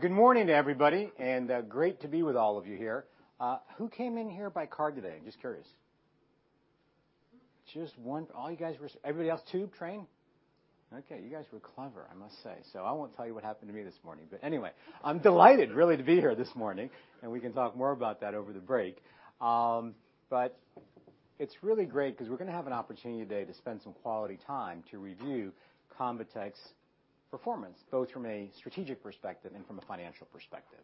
Good morning to everybody, and great to be with all of you here. Who came in here by car today? Just curious. Just one. Everybody else tube, train? Okay, you guys were clever, I must say. I won't tell you what happened to me this morning. Anyway, I'm delighted really to be here this morning, and we can talk more about that over the break. It's really great because we're gonna have an opportunity today to spend some quality time to review ConvaTec's performance, both from a strategic perspective and from a financial perspective.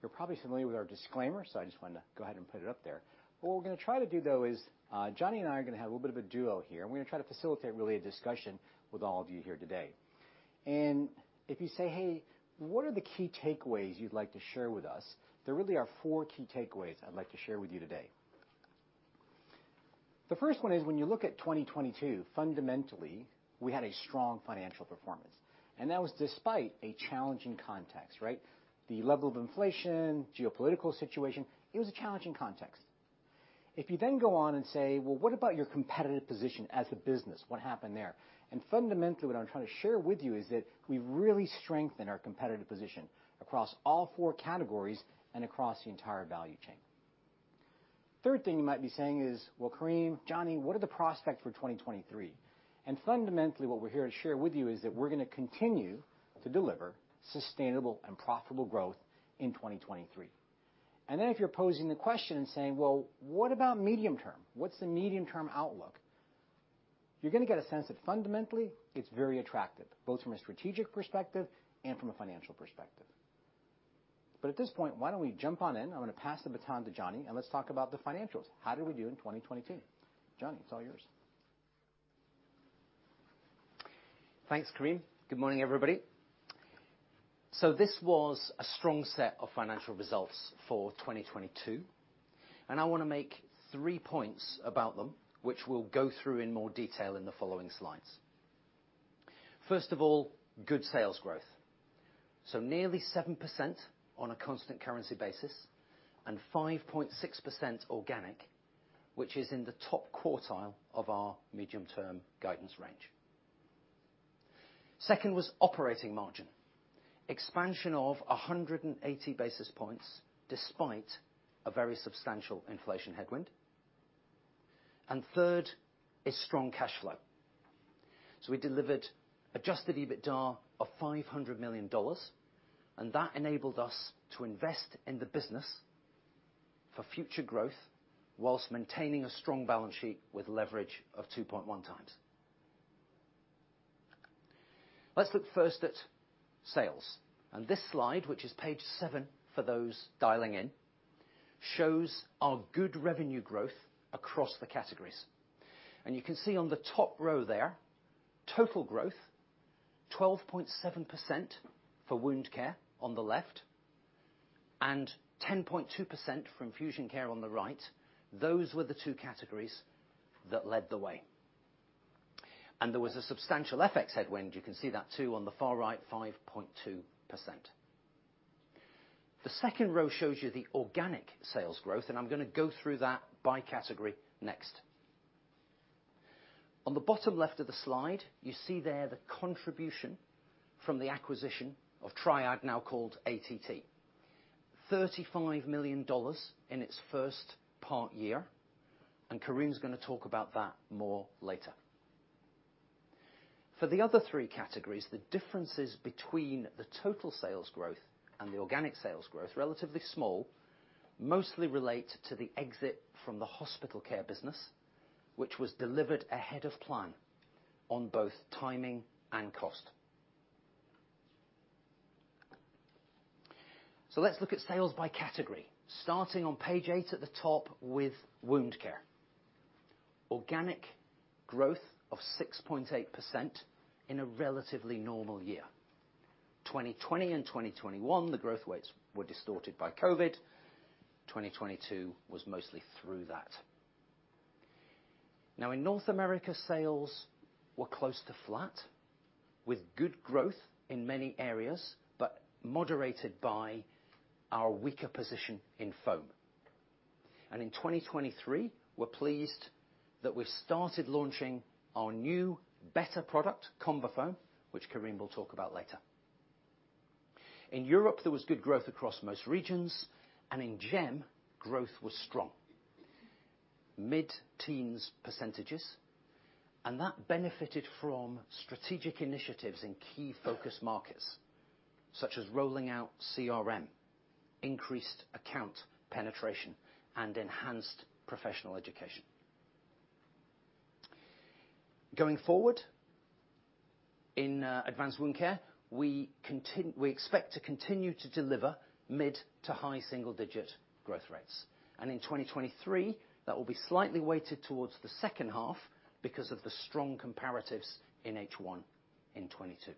You're probably familiar with our disclaimer, so I just wanted to go ahead and put it up there. What we're gonna try to do though is, Jonny and I are gonna have a little bit of a duo here, and we're gonna try to facilitate really a discussion with all of you here today. If you say, "Hey, what are the key takeaways you'd like to share with us?" There really are four key takeaways I'd like to share with you today. The first one is when you look at 2022, fundamentally, we had a strong financial performance, and that was despite a challenging context, right? The level of inflation, geopolitical situation, it was a challenging context. If you then go on and say, "Well, what about your competitive position as a business, what happened there?" Fundamentally, what I'm trying to share with you is that we've really strengthened our competitive position across all four categories and across the entire value chain. Third thing you might be saying is, "Well, Karim, Jonny, what are the prospects for 2023?" Fundamentally, what we're here to share with you is that we're gonna continue to deliver sustainable and profitable growth in 2023. If you're posing the question and saying, "Well, what about medium-term? What's the medium-term outlook?" You're gonna get a sense that fundamentally it's very attractive, both from a strategic perspective and from a financial perspective. At this point, why don't we jump on in? I'm gonna pass the baton to Jonny, and let's talk about the financials. How did we do in 2022? Jonny, it's all yours. Thanks, Karim. Good morning, everybody. This was a strong set of financial results for 2022, and I want to make three points about them, which we'll go through in more detail in the following slides. First of all, good sales growth. Nearly 7% on a constant currency basis and 5.6% organic, which is in the top quartile of our medium-term guidance range. Second was operating margin. Expansion of 180 basis points despite a very substantial inflation headwind. Third is strong cash flow. We delivered adjusted EBITDA of $500 million, and that enabled us to invest in the business for future growth whilst maintaining a strong balance sheet with leverage of 2.1x. Let's look first at sales. This slide, which is page seven for those dialing in, shows our good revenue growth across the categories. You can see on the top row there, total growth, 12.7% for Wound Care on the left and 10.2% for Infusion Care on the right. Those were the two categories that led the way. There was a substantial FX headwind. You can see that too on the far right, 5.2%. The second row shows you the organic sales growth, and I'm gonna go through that by category next. On the bottom left of the slide, you see there the contribution from the acquisition of Triad, now called ATT. $35 million in its first part year, and Karim is gonna talk about that more later. For the other three categories, the differences between the total sales growth and the organic sales growth, relatively small, mostly relate to the exit from the hospital care business, which was delivered ahead of plan on both timing and cost. Let's look at sales by category, starting on page eight at the top with wound care. Organic growth of 6.8% in a relatively normal year. 2020 and 2021, the growth rates were distorted by COVID. 2022 was mostly through that. Now, in North America, sales were close to flat with good growth in many areas, but moderated by our weaker position in foam. In 2023, we're pleased that we've started launching our new better product, ConvaFoam, which Karim will talk about later. In Europe, there was good growth across most regions, and in GEM, growth was strong. Mid-teens percentages, that benefited from strategic initiatives in key focus markets, such as rolling out CRM, increased account penetration, and enhanced professional education. Going forward, in advanced wound care, we expect to continue to deliver mid to high single-digit growth rates. In 2023, that will be slightly weighted towards the second half because of the strong comparatives in H1 in 2022.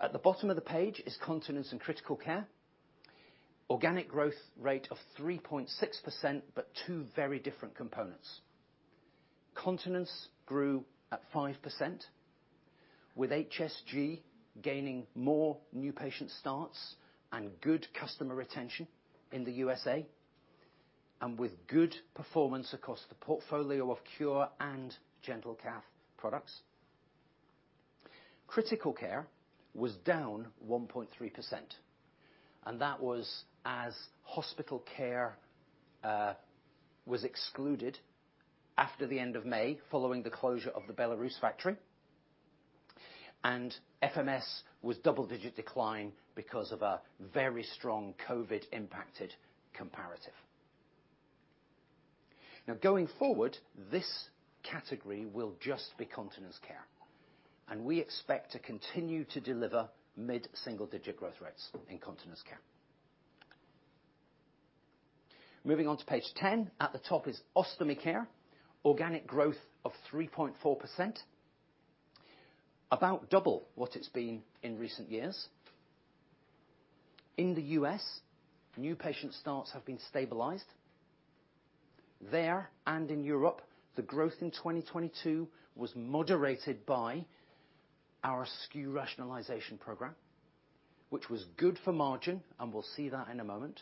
At the bottom of the page is continence and critical care. Organic growth rate of 3.6%. Two very different components. Continence grew at 5%, with HSG gaining more new patient starts and good customer retention in the USA. With good performance across the portfolio of Cure and GentleCath products. Critical care was down 1.3%, that was as hospital care was excluded after the end of May following the closure of the Belarus factory. FMS was double-digit decline because of a very strong COVID-impacted comparative. Now going forward, this category will just be continence care, and we expect to continue to deliver mid-single digit growth rates in continence care. Moving on to page 10. At the top is Ostomy Care. Organic growth of 3.4%. About double what it's been in recent years. In the U.S., new patient starts have been stabilized. There, and in Europe, the growth in 2022 was moderated by our SKU rationalization program, which was good for margin, and we'll see that in a moment.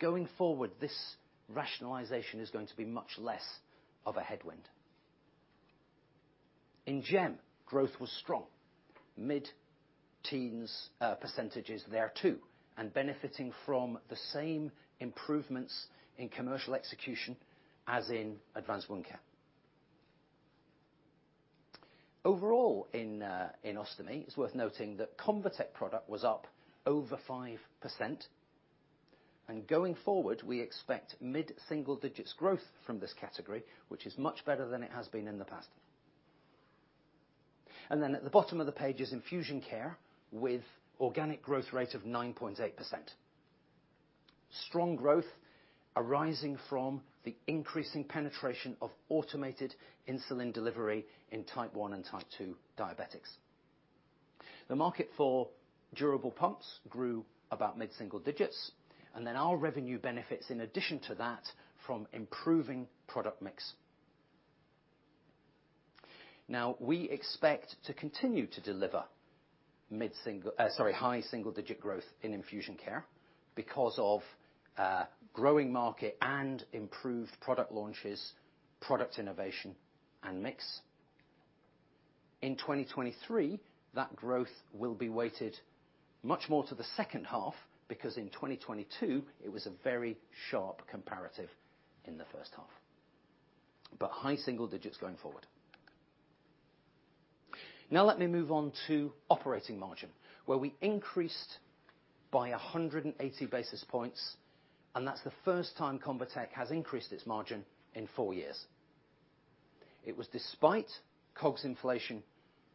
Going forward, this rationalization is going to be much less of a headwind. In GEM, growth was strong, mid-teens percentages, benefiting from the same improvements in commercial execution as in advanced wound care. Overall in Ostomy, it's worth noting that ConvaTec was up over 5%, going forward, we expect mid-single digits growth from this category, which is much better than it has been in the past. At the bottom of the page is infusion care with organic growth rate of 9.8%. Strong growth arising from the increasing penetration of automated insulin delivery in type one and type two diabetics. The market for durable pumps grew about mid-single digits, our revenue benefits in addition to that from improving product mix. We expect to continue to deliver mid-single, sorry, high single-digit growth in Infusion Care because of growing market and improved product launches, product innovation and mix. In 2023, that growth will be weighted much more to the second half because in 2022, it was a very sharp comparative in the first half. High single digits going forward. Let me move on to operating margin, where we increased by 180 basis points, and that's the first time ConvaTec has increased its margin in four years. It was despite COGS inflation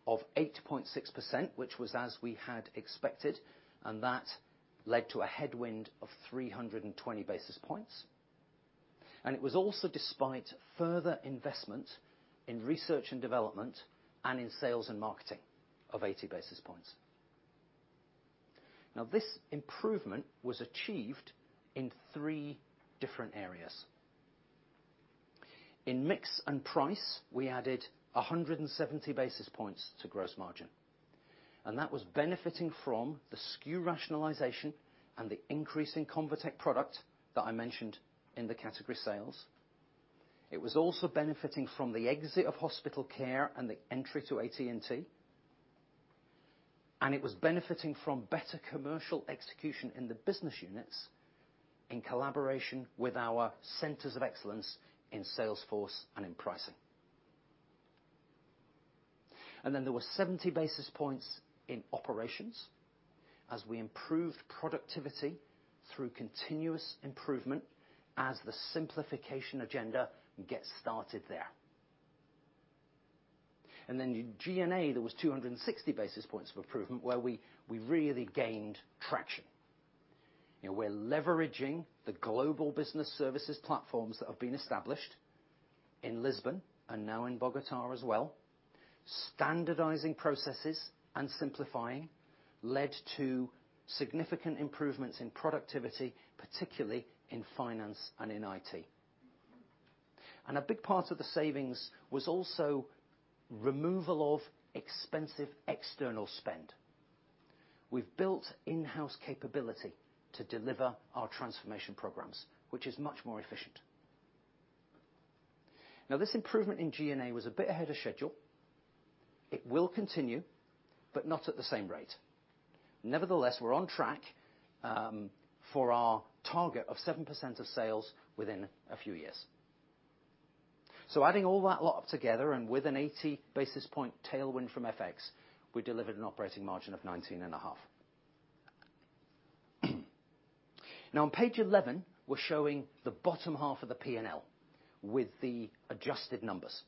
of 8.6%, which was as we had expected, and that led to a headwind of 320 basis points. It was also despite further investment in research and development and in sales and marketing of 80 basis points. This improvement was achieved in three different areas. In mix and price, we added 170 basis points to gross margin. That was benefiting from the SKU rationalization and the increase in ConvaTec product that I mentioned in the category sales. It was also benefiting from the exit of hospital care and the entry to ATT. It was benefiting from better commercial execution in the business units in collaboration with our centers of excellence in sales force and in pricing. There were 70 basis points in operations as we improved productivity through continuous improvement as the simplification agenda gets started there. In G&A, there was 260 basis points of improvement where we really gained traction. You know, we're leveraging the Global Business Services platforms that have been established in Lisbon and now in Bogota as well. Standardizing processes and simplifying led to significant improvements in productivity, particularly in finance and in IT. A big part of the savings was also removal of expensive external spend. We've built in-house capability to deliver our transformation programs, which is much more efficient. This improvement in G&A was a bit ahead of schedule. It will continue, but not at the same rate. Nevertheless, we're on track for our target of 7% of sales within a few years. Adding all that lot up together and with an 80 basis point tailwind from FX, we delivered an operating margin of 19.5%. On page 11, we're showing the bottom half of the P&L with the adjusted numbers.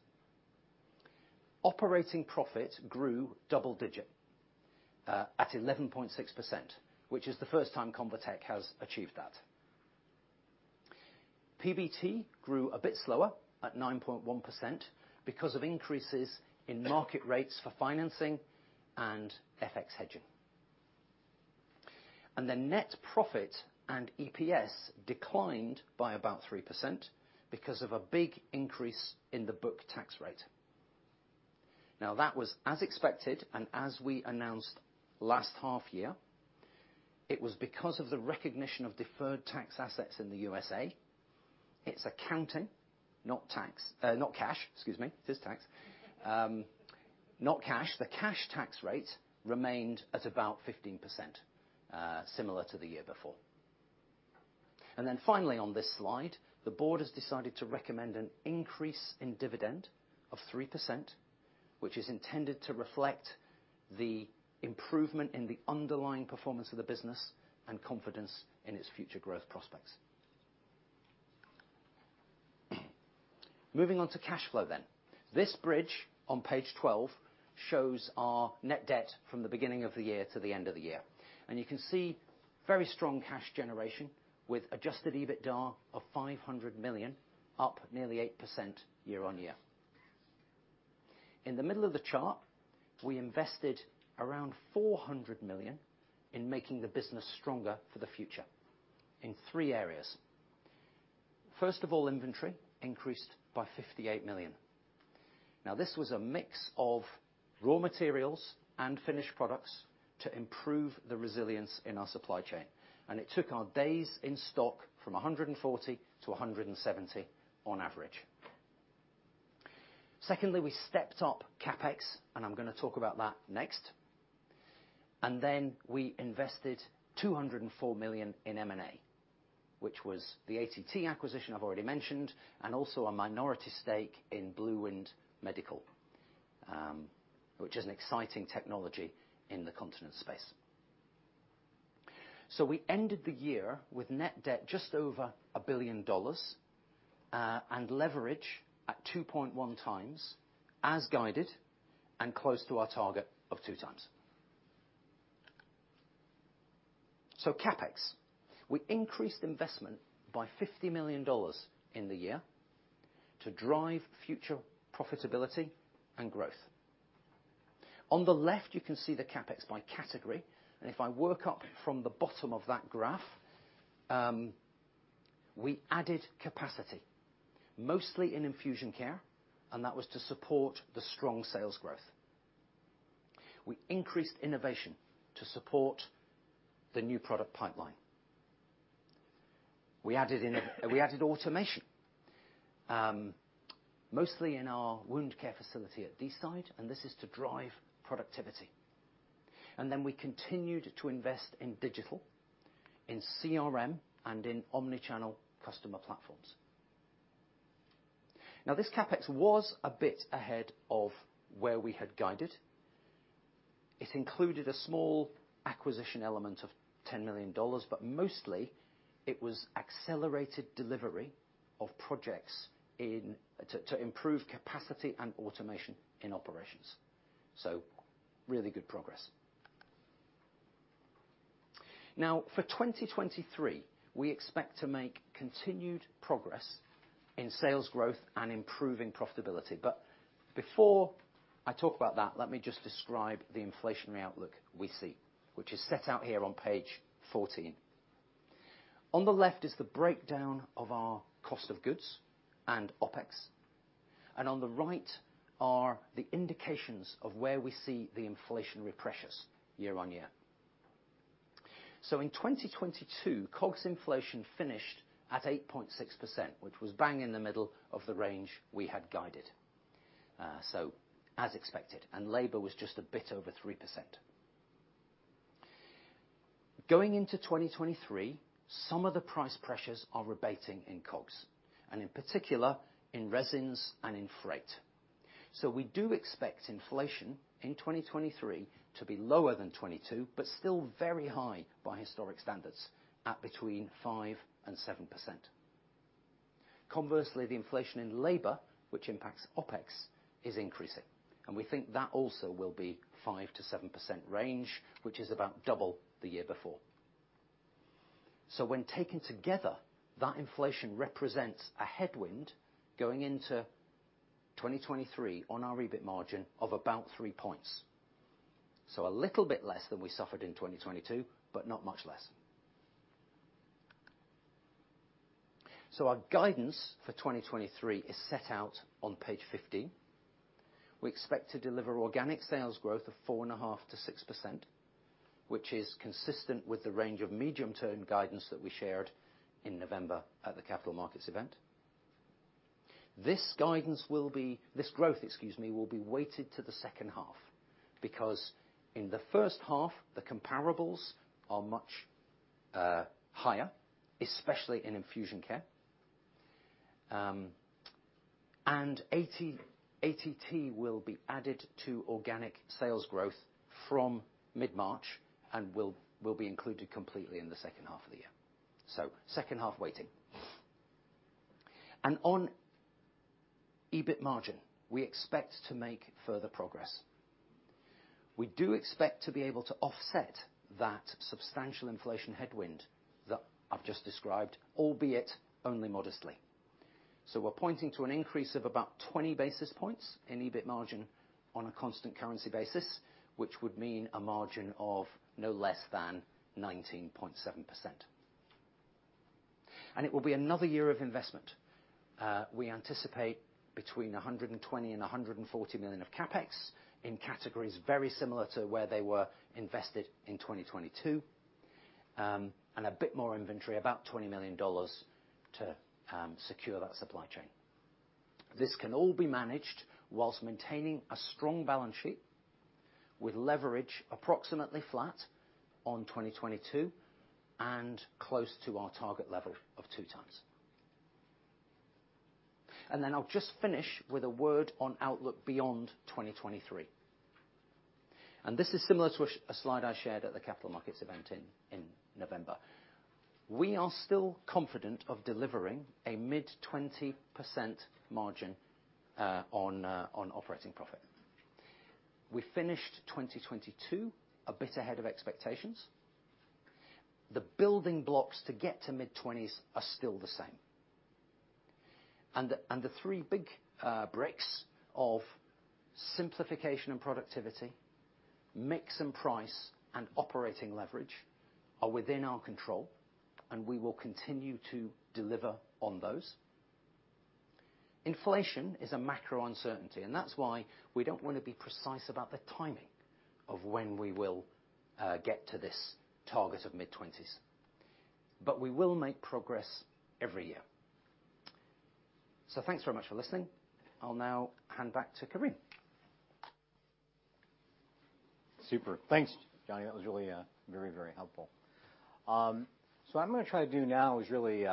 Operating profit grew double digit at 11.6%, which is the first time ConvaTec has achieved that. PBT grew a bit slower at 9.1% because of increases in market rates for financing and FX hedging. The net profit and EPS declined by about 3% because of a big increase in the book tax rate. That was as expected, and as we announced last half year, it was because of the recognition of deferred tax assets in the USA. It's accounting, not cash, excuse me. It is tax. Not cash. The cash tax rate remained at about 15%, similar to the year before. Finally on this slide, the board has decided to recommend an increase in dividend of 3%, which is intended to reflect the improvement in the underlying performance of the business and confidence in its future growth prospects. Moving on to cash flow then. This bridge on page 12 shows our net debt from the beginning of the year to the end of the year. You can see very strong cash generation with adjusted EBITDA of $500 million, up nearly 8% year-on-year. In the middle of the chart, we invested around $400 million in making the business stronger for the future in three areas. First of all, inventory increased by $58 million. Now this was a mix of raw materials and finished products to improve the resilience in our supply chain. It took our days in stock from 140 to 170 on average. Secondly, we stepped up CapEx, and I'm gonna talk about that next. We invested $204 million in M&A, which was the ATT acquisition I've already mentioned, and also a minority stake in BlueWind Medical, which is an exciting technology in the continence space. We ended the year with net debt just over $1 billion, and leverage at 2.1x as guided and close to our target of 2x. CapEx, we increased investment by $50 million in the year to drive future profitability and growth. On the left, you can see the CapEx by category, and if I work up from the bottom of that graph, we added capacity, mostly in Infusion Care, and that was to support the strong sales growth. We increased innovation to support the new product pipeline. We added automation, mostly in our wound care facility at Deeside. This is to drive productivity. We continued to invest in digital, in CRM, and in omni-channel customer platforms. This CapEx was a bit ahead of where we had guided. It included a small acquisition element of $10 million. Mostly it was accelerated delivery of projects to improve capacity and automation in operations. Really good progress. For 2023, we expect to make continued progress in sales growth and improving profitability. Before I talk about that, let me just describe the inflationary outlook we see, which is set out here on page 14. On the left is the breakdown of our COGS and OpEx. On the right are the indications of where we see the inflationary pressures year on year. In 2022, COGS inflation finished at 8.6%, which was bang in the middle of the range we had guided, so as expected. Labor was just a bit over 3%. Going into 2023, some of the price pressures are rebating in COGS, and in particular in resins and in freight. We do expect inflation in 2023 to be lower than 2022, but still very high by historic standards at between 5% and 7%. Conversely, the inflation in labor, which impacts OpEx, is increasing, and we think that also will be 5%-7% range, which is about double the year before. When taken together, that inflation represents a headwind going into 2023 on our EBIT margin of about three points. A little bit less than we suffered in 2022, but not much less. Our guidance for 2023 is set out on page 15. We expect to deliver organic sales growth of 4.5%-6%, which is consistent with the range of medium-term guidance that we shared in November at the capital markets event. This growth, excuse me, will be weighted to the second half, because in the first half, the comparables are much higher, especially in Infusion Care. ATT will be added to organic sales growth from mid-March and will be included completely in the second half of the year. Second half weighting. On EBIT margin, we expect to make further progress. We do expect to be able to offset that substantial inflation headwind that I've just described, albeit only modestly. We're pointing to an increase of about 20 basis points in EBIT margin on a constant currency basis, which would mean a margin of no less than 19.7%. It will be another year of investment. We anticipate between $120 million-$140 million of CapEx in categories very similar to where they were invested in 2022. And a bit more inventory, about $20 million to secure that supply chain. This can all be managed while maintaining a strong balance sheet with leverage approximately flat on 2022 and close to our target level of 2x. I'll just finish with a word on outlook beyond 2023. This is similar to a slide I shared at the capital markets event in November. We are still confident of delivering a mid-20% margin, on operating profit. We finished 2022 a bit ahead of expectations. The building blocks to get to mid-20s are still the same. The three big bricks of simplification and productivity, mix and price, and operating leverage are within our control, and we will continue to deliver on those. Inflation is a macro uncertainty, and that's why we don't wanna be precise about the timing of when we will get to this target of mid-20s. We will make progress every year. Thanks very much for listening. I'll now hand back to Karim. Super. Thanks, Jonny. That was really, very, very helpful. What I'm gonna try to do now is really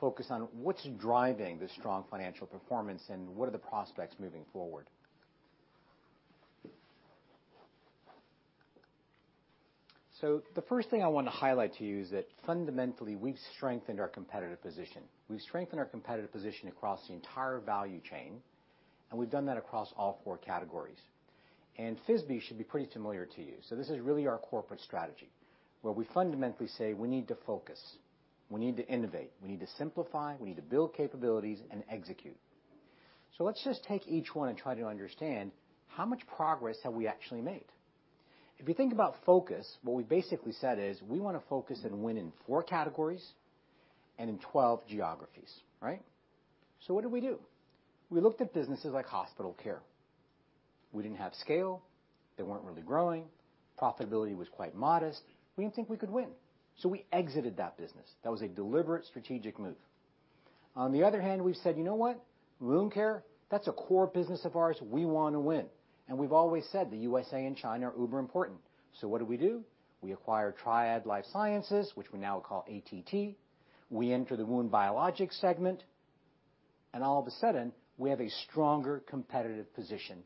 focus on what's driving this strong financial performance, and what are the prospects moving forward. The first thing I wanna highlight to you is that fundamentally, we've strengthened our competitive position. We've strengthened our competitive position across the entire value chain, and we've done that across all four categories. FISBE should be pretty familiar to you. This is really our corporate strategy, where we fundamentally say, "We need to focus. We need to innovate. We need to simplify. We need to build capabilities and execute." Let's just take each one and try to understand how much progress have we actually made. If you think about focus, what we basically said is, we wanna focus and win in four categories and in 12 geographies, right? What did we do? We looked at businesses like hospital care. We didn't have scale. They weren't really growing. Profitability was quite modest. We didn't think we could win, so we exited that business. That was a deliberate strategic move. On the other hand, we've said, "You know what? Wound care, that's a core business of ours. We wanna win." We've always said the USA and China are uber important. What did we do? We acquired Triad LifeSciences, which we now call ATT. We enter the wound biologics segment, and all of a sudden, we have a stronger competitive position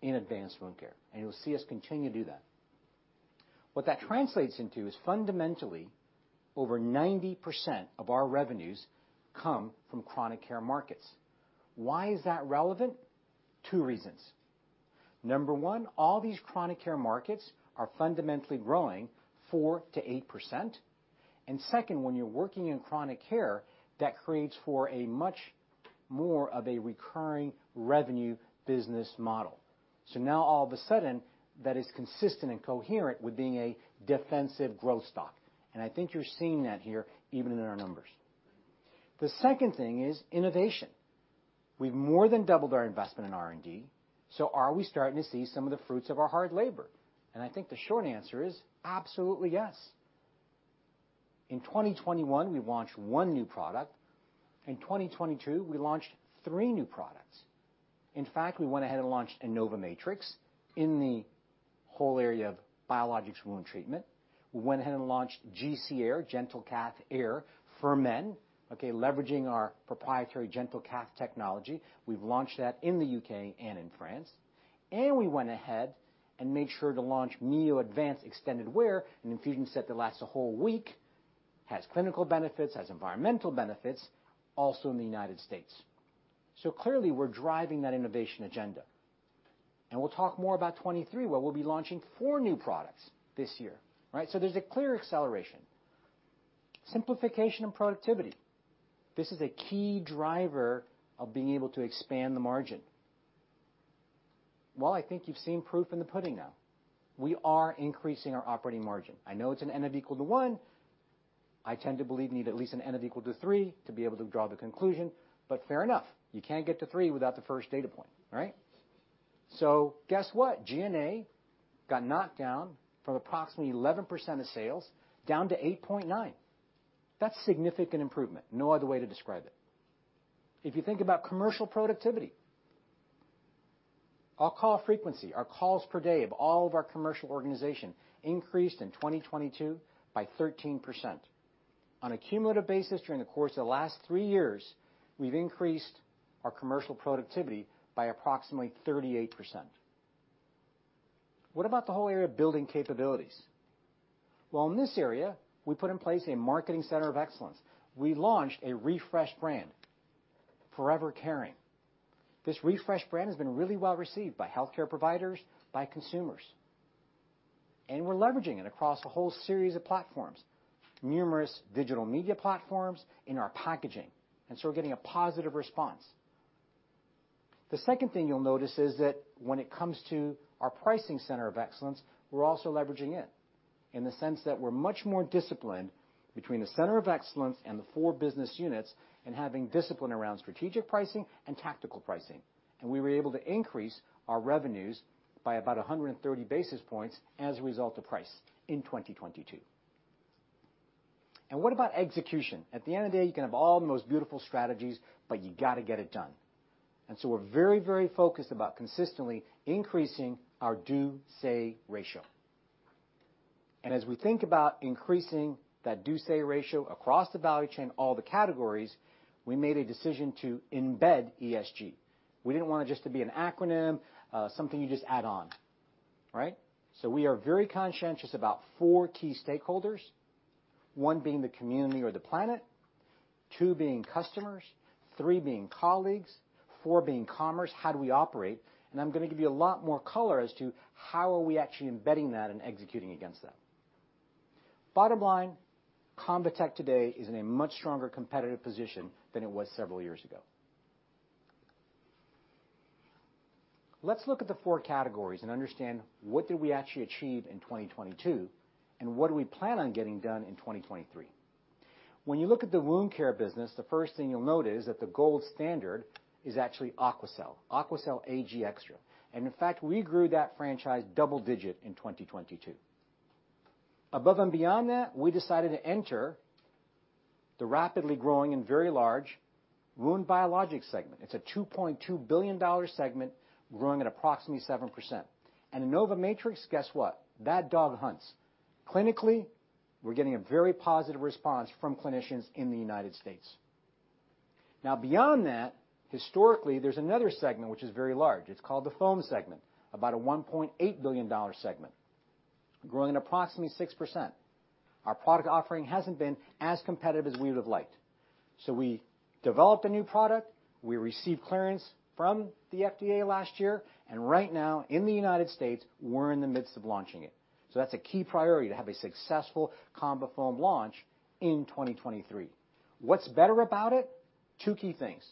in advanced wound care, and you'll see us continue to do that. What that translates into is, fundamentally, over 90% of our revenues come from chronic care markets. Why is that relevant? Two reasons. Number one, all these chronic care markets are fundamentally growing 4%-8%. Second, when you're working in chronic care, that creates for a much more of a recurring revenue business model. Now all of a sudden, that is consistent and coherent with being a defensive growth stock. I think you're seeing that here, even in our numbers. The second thing is innovation. We've more than doubled our investment in R&D. Are we starting to see some of the fruits of our hard labor? I think the short answer is absolutely yes. In 2021, we launched one new product. In 2022, we launched three new products. In fact, we went ahead and launched InnovaMatrix in the whole area of biologics wound treatment. We went ahead and launched GC Air, GentleCath Air for Men, okay, leveraging our proprietary GentleCath technology. We've launched that in the U.K., and in France. We went ahead and made sure to launch Mio Advance Extended Wear, an infusion set that lasts a whole week, has clinical benefits, has environmental benefits, also in the United States. Clearly, we're driving that innovation agenda. We'll talk more about 2023, where we'll be launching four new products this year, right? There's a clear acceleration. Simplification and productivity. This is a key driver of being able to expand the margin. I think you've seen proof in the pudding now. We are increasing our operating margin. I know it's an N of equal to one. I tend to believe you need at least an N of equal to three to be able to draw the conclusion. Fair enough, you can't get to three without the first data point, right? Guess what? G&A got knocked down from approximately 11% of sales down to 8.9%. That's significant improvement. No other way to describe it. If you think about commercial productivity, our call frequency, our calls per day of all of our commercial organization increased in 2022 by 13%. On a cumulative basis during the course of the last three years, we've increased our commercial productivity by approximately 38%. What about the whole area of building capabilities? In this area, we put in place a marketing center of excellence. We launched a refreshed brand, forever caring. This refreshed brand has been really well-received by healthcare providers, by consumers. We're leveraging it across a whole series of platforms, numerous digital media platforms in our packaging, so we're getting a positive response. The second thing you'll notice is that when it comes to our pricing center of excellence, we're also leveraging it in the sense that we're much more disciplined between the center of excellence and the four business units and having discipline around strategic pricing and tactical pricing. We were able to increase our revenues by about 130 basis points as a result of price in 2022. What about execution? At the end of the day, you can have all the most beautiful strategies, but you got to get it done. We're very, very focused about consistently increasing our do-say ratio. As we think about increasing that do-say ratio across the value chain, all the categories, we made a decision to embed ESG. We didn't want it just to be an acronym, something you just add on, right. We are very conscientious about four key stakeholders, one being the community or the planet, two being customers, three being colleagues, four being commerce, how do we operate? I'm gonna give you a lot more color as to how are we actually embedding that and executing against that. Bottom line, ConvaTec today is in a much stronger competitive position than it was several years ago. Let's look at the four categories and understand what did we actually achieve in 2022, and what do we plan on getting done in 2023. When you look at the wound care business, the first thing you'll note is that the gold standard is actually AQUACEL Ag EXTRA. In fact, we grew that franchise double digit in 2022. Above and beyond that, we decided to enter the rapidly growing and very large wound biologics segment. It's a $2.2 billion segment growing at approximately 7%. InnovaMatrix, guess what? That dog hunts. Clinically, we're getting a very positive response from clinicians in the United States. Beyond that, historically, there's another segment which is very large. It's called the foam segment, about a $1.8 billion segment, growing at approximately 6%. Our product offering hasn't been as competitive as we would have liked. We developed a new product. We received clearance from the FDA last year. Right now in the United States, we're in the midst of launching it. That's a key priority to have a successful ConvaFoam launch in 2023. What's better about it? two key things.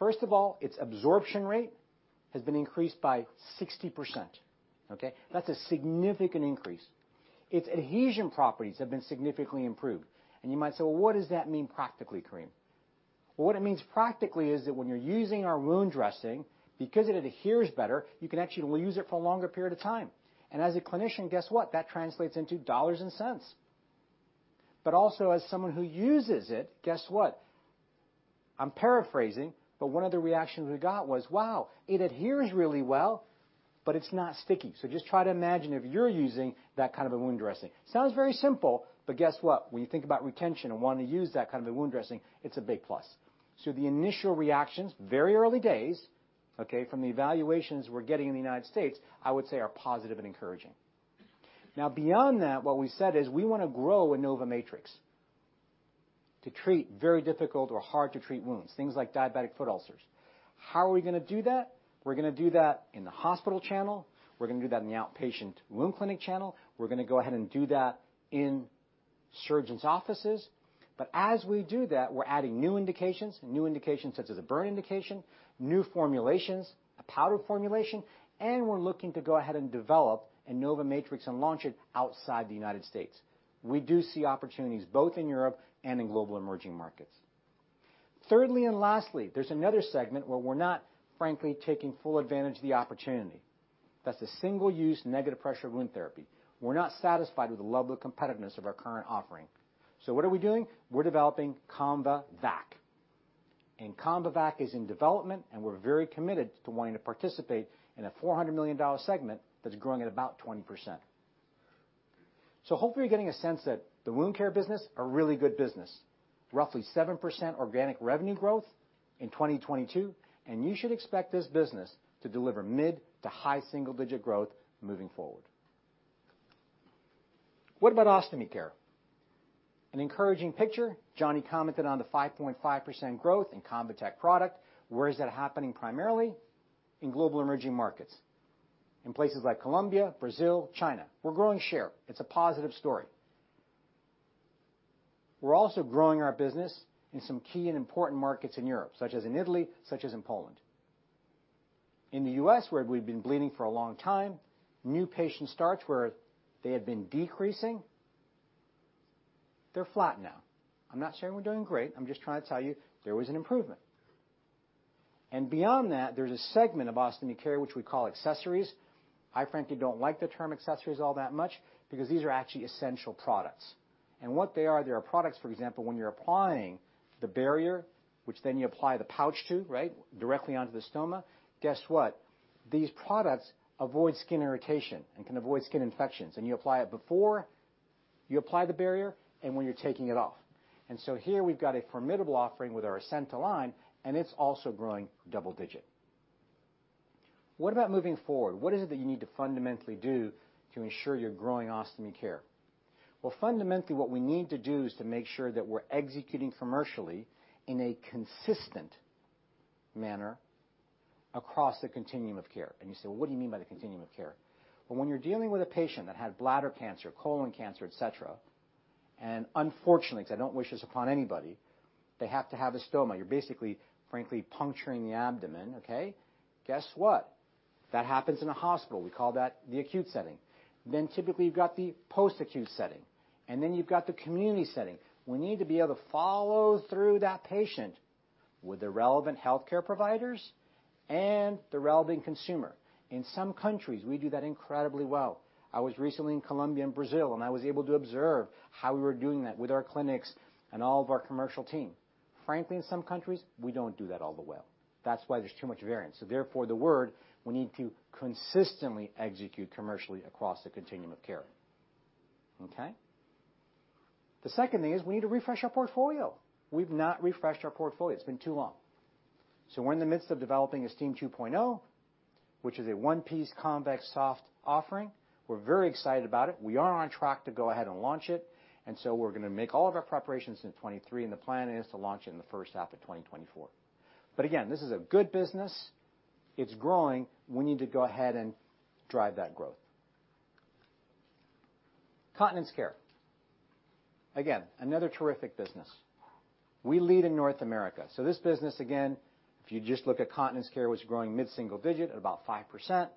First of all, its absorption rate has been increased by 60%, okay? That's a significant increase. Its adhesion properties have been significantly improved. You might say, "Well, what does that mean practically, Karim?" What it means practically is that when you're using our wound dressing, because it adheres better, you can actually use it for a longer period of time. As a clinician, guess what? That translates into dollars and cents. Also as someone who uses it, guess what? I'm paraphrasing, but one of the reactions we got was, "Wow, it adheres really well, but it's not sticky." Just try to imagine if you're using that kind of a wound dressing. Sounds very simple, but guess what? When you think about retention and wanting to use that kind of a wound dressing, it's a big plus. The initial reactions, very early days, okay, from the evaluations we're getting in the United States, I would say are positive and encouraging. Beyond that, what we said is we wanna grow InnovaMatrix to treat very difficult or hard-to-treat wounds, things like diabetic foot ulcers. How are we gonna do that? We're gonna do that in the hospital channel. We're gonna do that in the outpatient wound clinic channel. We're gonna go ahead and do that in surgeons' offices. As we do that, we're adding new indications, new indications such as a burn indication, new formulations, a powder formulation, and we're looking to go ahead and develop InnovaMatrix and launch it outside the United States. We do see opportunities both in Europe and in global emerging markets. Thirdly and lastly, there's another segment where we're not, frankly, taking full advantage of the opportunity. That's the single-use negative pressure wound therapy. We're not satisfied with the level of competitiveness of our current offering. What are we doing? We're developing ConvaVac. ConvaVac is in development, and we're very committed to wanting to participate in a $400 million segment that's growing at about 20%. Hopefully, you're getting a sense that the wound care business, a really good business, roughly 7% organic revenue growth in 2022, and you should expect this business to deliver mid-to-high single-digit growth moving forward. What about Ostomy Care? An encouraging picture. Jonny commented on the 5.5% growth in ConvaTec product. Where is that happening primarily? In global emerging markets. In places like Colombia, Brazil, China. We're growing share. It's a positive story. We're also growing our business in some key and important markets in Europe, such as in Italy, such as in Poland. In the U.S., where we've been bleeding for a long time, new patient starts where they had been decreasing, they're flat now. I'm not saying we're doing great. I'm just trying to tell you there was an improvement. Beyond that, there's a segment of Ostomy Care which we call accessories. I frankly don't like the term accessories all that much because these are actually essential products. What they are, they are products, for example, when you're applying the barrier, which then you apply the pouch to, right, directly onto the stoma. Guess what? These products avoid skin irritation and can avoid skin infections, and you apply it before you apply the barrier and when you're taking it off. Here we've got a formidable offering with our Ascenta line, and it's also growing double digit. What about moving forward? What is it that you need to fundamentally do to ensure you're growing Ostomy Care? Well, fundamentally, what we need to do is to make sure that we're executing commercially in a consistent manner across the continuum of care. You say, "Well, what do you mean by the continuum of care?" Well, when you're dealing with a patient that had bladder cancer, colon cancer, et cetera. Unfortunately, because I don't wish this upon anybody, they have to have a stoma. You're basically, frankly, puncturing the abdomen, okay? Guess what? That happens in a hospital. We call that the acute setting. Typically, you've got the post-acute setting, you've got the community setting. We need to be able to follow through that patient with the relevant healthcare providers and the relevant consumer. In some countries, we do that incredibly well. I was recently in Colombia and Brazil, and I was able to observe how we were doing that with our clinics and all of our commercial team. Frankly, in some countries, we don't do that all that well. That's why there's too much variance. Therefore, the word, we need to consistently execute commercially across the continuum of care. Okay? The second thing is we need to refresh our portfolio. We've not refreshed our portfolio. It's been too long. We're in the midst of developing Esteem 2.0, which is a one-piece convex soft offering. We're very excited about it. We are on track to go ahead and launch it. We're gonna make all of our preparations in 2023, and the plan is to launch it in the first half of 2024. Again, this is a good business. It's growing. We need to go ahead and drive that growth. Continence Care. Again, another terrific business. We lead in North America. This business, again, if you just look at Continence Care, was growing mid-single digit at about 5%.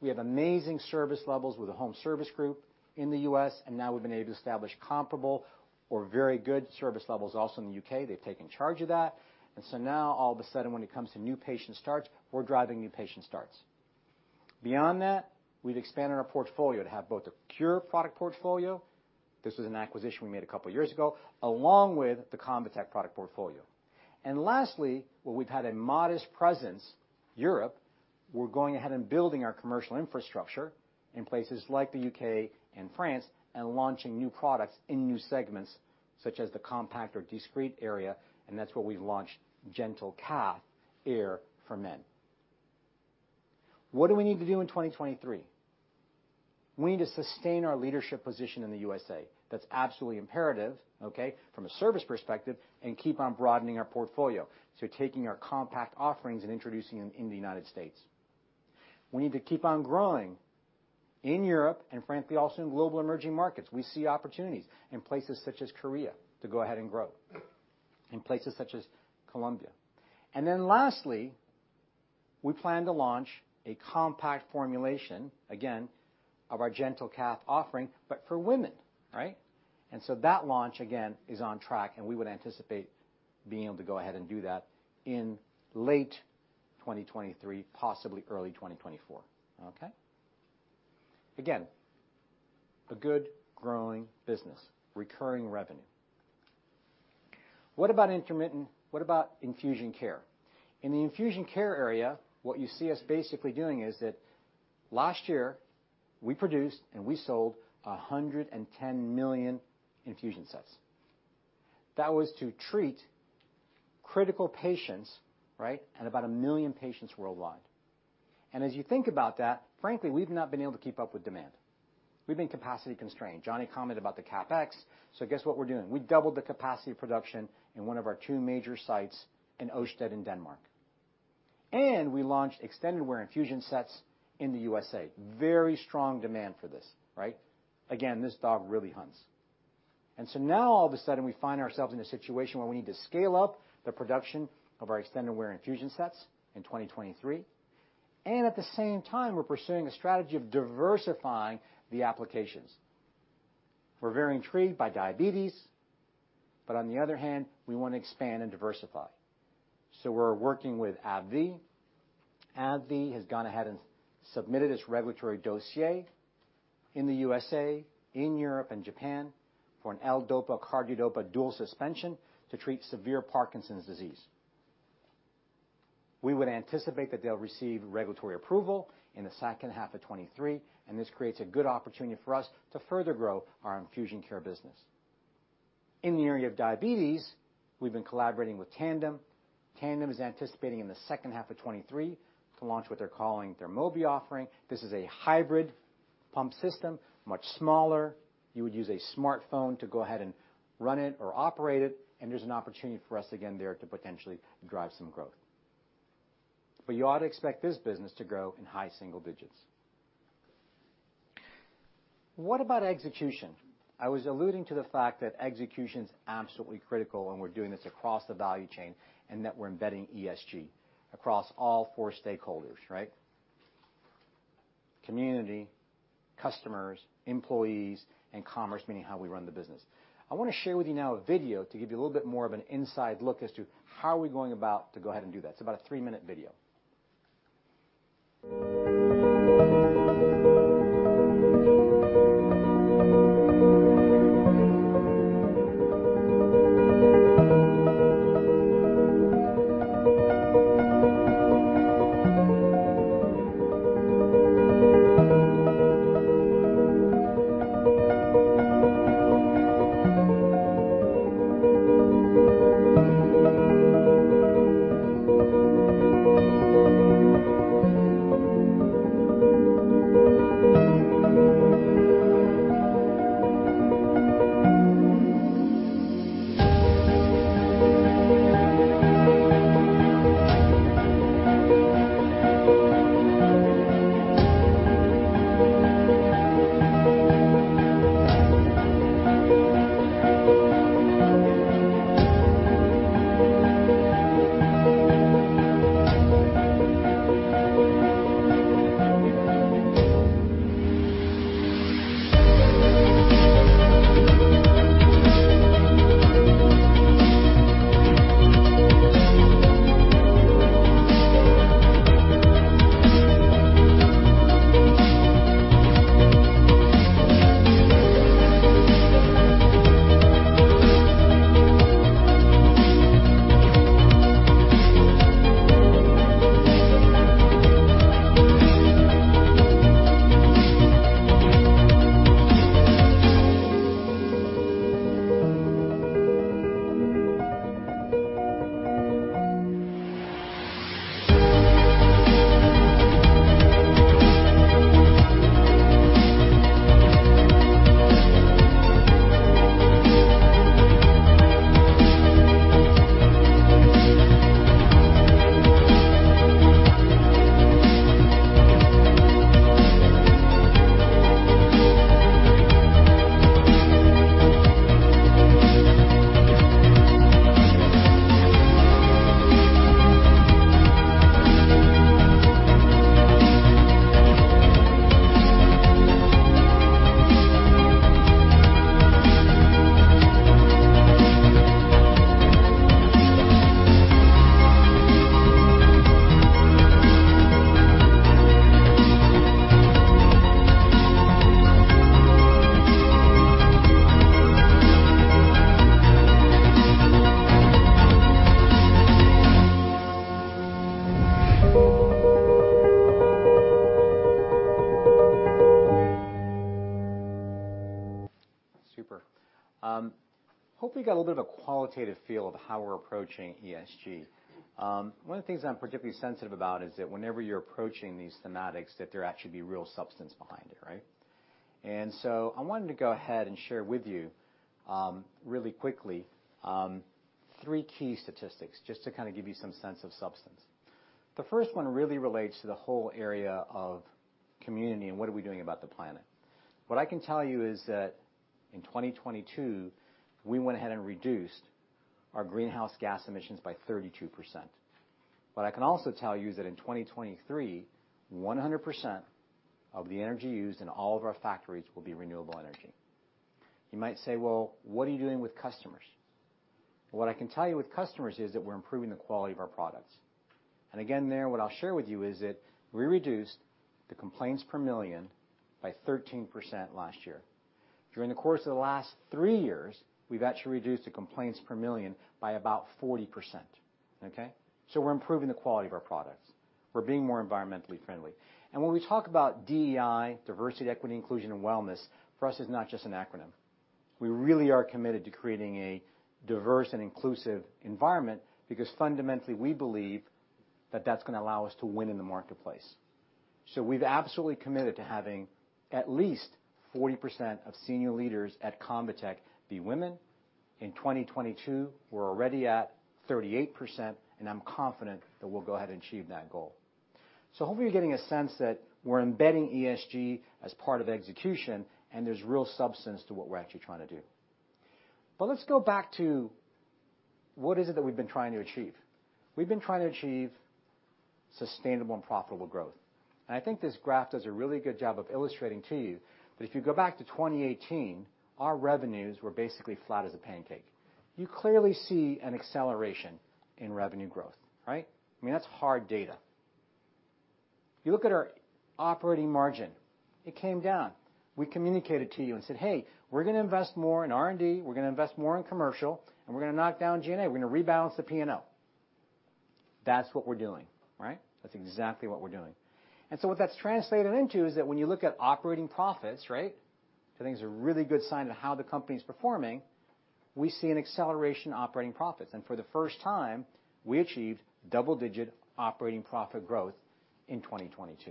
We have amazing service levels with the home service group in the U.S. Now we've been able to establish comparable or very good service levels also in the U.K. They've taken charge of that. Now all of a sudden, when it comes to new patient starts, we're driving new patient starts. Beyond that, we've expanded our portfolio to have both a Cure product portfolio, this was an acquisition we made couple years ago, along with the ConvaTec product portfolio. Lastly, where we've had a modest presence, Europe, we're going ahead and building our commercial infrastructure in places like the U.K., and France and launching new products in new segments, such as the compact or discrete area, and that's where we've launched GentleCath Air for Men. What do we need to do in 2023? We need to sustain our leadership position in the USA. That's absolutely imperative, okay, from a service perspective, and keep on broadening our portfolio. Taking our compact offerings and introducing them in the United States. We need to keep on growing in Europe and frankly, also in global emerging markets. We see opportunities in places such as Korea to go ahead and grow, in places such as Colombia. Lastly, we plan to launch a compact formulation, again, of our GentleCath offering, but for women, right? That launch, again, is on track, and we would anticipate being able to go ahead and do that in late 2023, possibly early 2024. Okay? Again, a good growing business, recurring revenue. What about intermittent? What about Infusion Care? In the Infusion Care area, what you see us basically doing is that last year, we produced and we sold 110 million infusion sets. That was to treat critical patients, right, about 1 million patients worldwide. As you think about that, frankly, we've not been able to keep up with demand. We've been capacity constrained. Jonny commented about the CapEx. Guess what we're doing? We doubled the capacity of production in one of our two major sites in Osted in Denmark. We launched extended wear infusion sets in the USA. Very strong demand for this, right? Again, this dog really hunts. Now all of a sudden, we find ourselves in a situation where we need to scale up the production of our extended wear infusion sets in 2023. At the same time, we're pursuing a strategy of diversifying the applications. We're very intrigued by diabetes, but on the other hand, we wanna expand and diversify. We're working with AbbVie. AbbVie has gone ahead and submitted its regulatory dossier in the USA, in Europe and Japan for an carbidopa/levodopa dual suspension to treat severe Parkinson's disease. We would anticipate that they'll receive regulatory approval in the second half of 2023, and this creates a good opportunity for us to further grow our infusion care business. In the area of diabetes, we've been collaborating with Tandem. Tandem is anticipating in the second half of 2023 to launch what they're calling their Mobi offering. This is a hybrid pump system, much smaller. You would use a smartphone to go ahead and run it or operate it, and there's an opportunity for us again there to potentially drive some growth. You ought to expect this business to grow in high single digits. What about execution? I was alluding to the fact that execution is absolutely critical, and we're doing this across the value chain, and that we're embedding ESG across all four stakeholders, right? Community, customers, employees, and commerce, meaning how we run the business. I wanna share with you now a video to give you a little bit more of an inside look as to how are we going about to go ahead and do that. It's about a three-minute video. Super. Hope you got a little bit of a qualitative feel of how we're approaching ESG. One of the things I'm particularly sensitive about is that whenever you're approaching these thematics, that there actually be real substance behind it, right? I wanted to go ahead and share with you, really quickly, three key statistics, just to kinda give you some sense of substance. The first one really relates to the whole area of community and what are we doing about the planet. What I can tell you is that in 2022, we went ahead and reduced our greenhouse gas emissions by 32%. What I can also tell you is that in 2023, 100% of the energy used in all of our factories will be renewable energy. You might say, "Well, what are you doing with customers?" What I can tell you with customers is that we're improving the quality of our products. Again, there, what I'll share with you is that we reduced the complaints per million by 13% last year. During the course of the last three years, we've actually reduced the complaints per million by about 40%, okay? We're improving the quality of our products. We're being more environmentally friendly. When we talk about DEI, diversity, equity, inclusion, and wellness, for us, it's not just an acronym. We really are committed to creating a diverse and inclusive environment because fundamentally we believe that that's gonna allow us to win in the marketplace. We've absolutely committed to having at least 40% of senior leaders at ConvaTec be women. In 2022, we're already at 38%, and I'm confident that we'll go ahead and achieve that goal. Hopefully you're getting a sense that we're embedding ESG as part of execution, and there's real substance to what we're actually trying to do. Let's go back to what is it that we've been trying to achieve. We've been trying to achieve sustainable and profitable growth. I think this graph does a really good job of illustrating to you that if you go back to 2018, our revenues were basically flat as a pancake. You clearly see an acceleration in revenue growth, right? I mean, that's hard data. You look at our operating margin, it came down. We communicated to you and said, "Hey, we're gonna invest more in R&D, we're gonna invest more in commercial, and we're gonna knock down G&A. We're gonna rebalance the P&L." That's what we're doing, right? That's exactly what we're doing. So what that's translated into is that when you look at operating profits, right? Something that's a really good sign of how the company's performing, we see an acceleration in operating profits. For the first time, we achieved double-digit operating profit growth in 2022.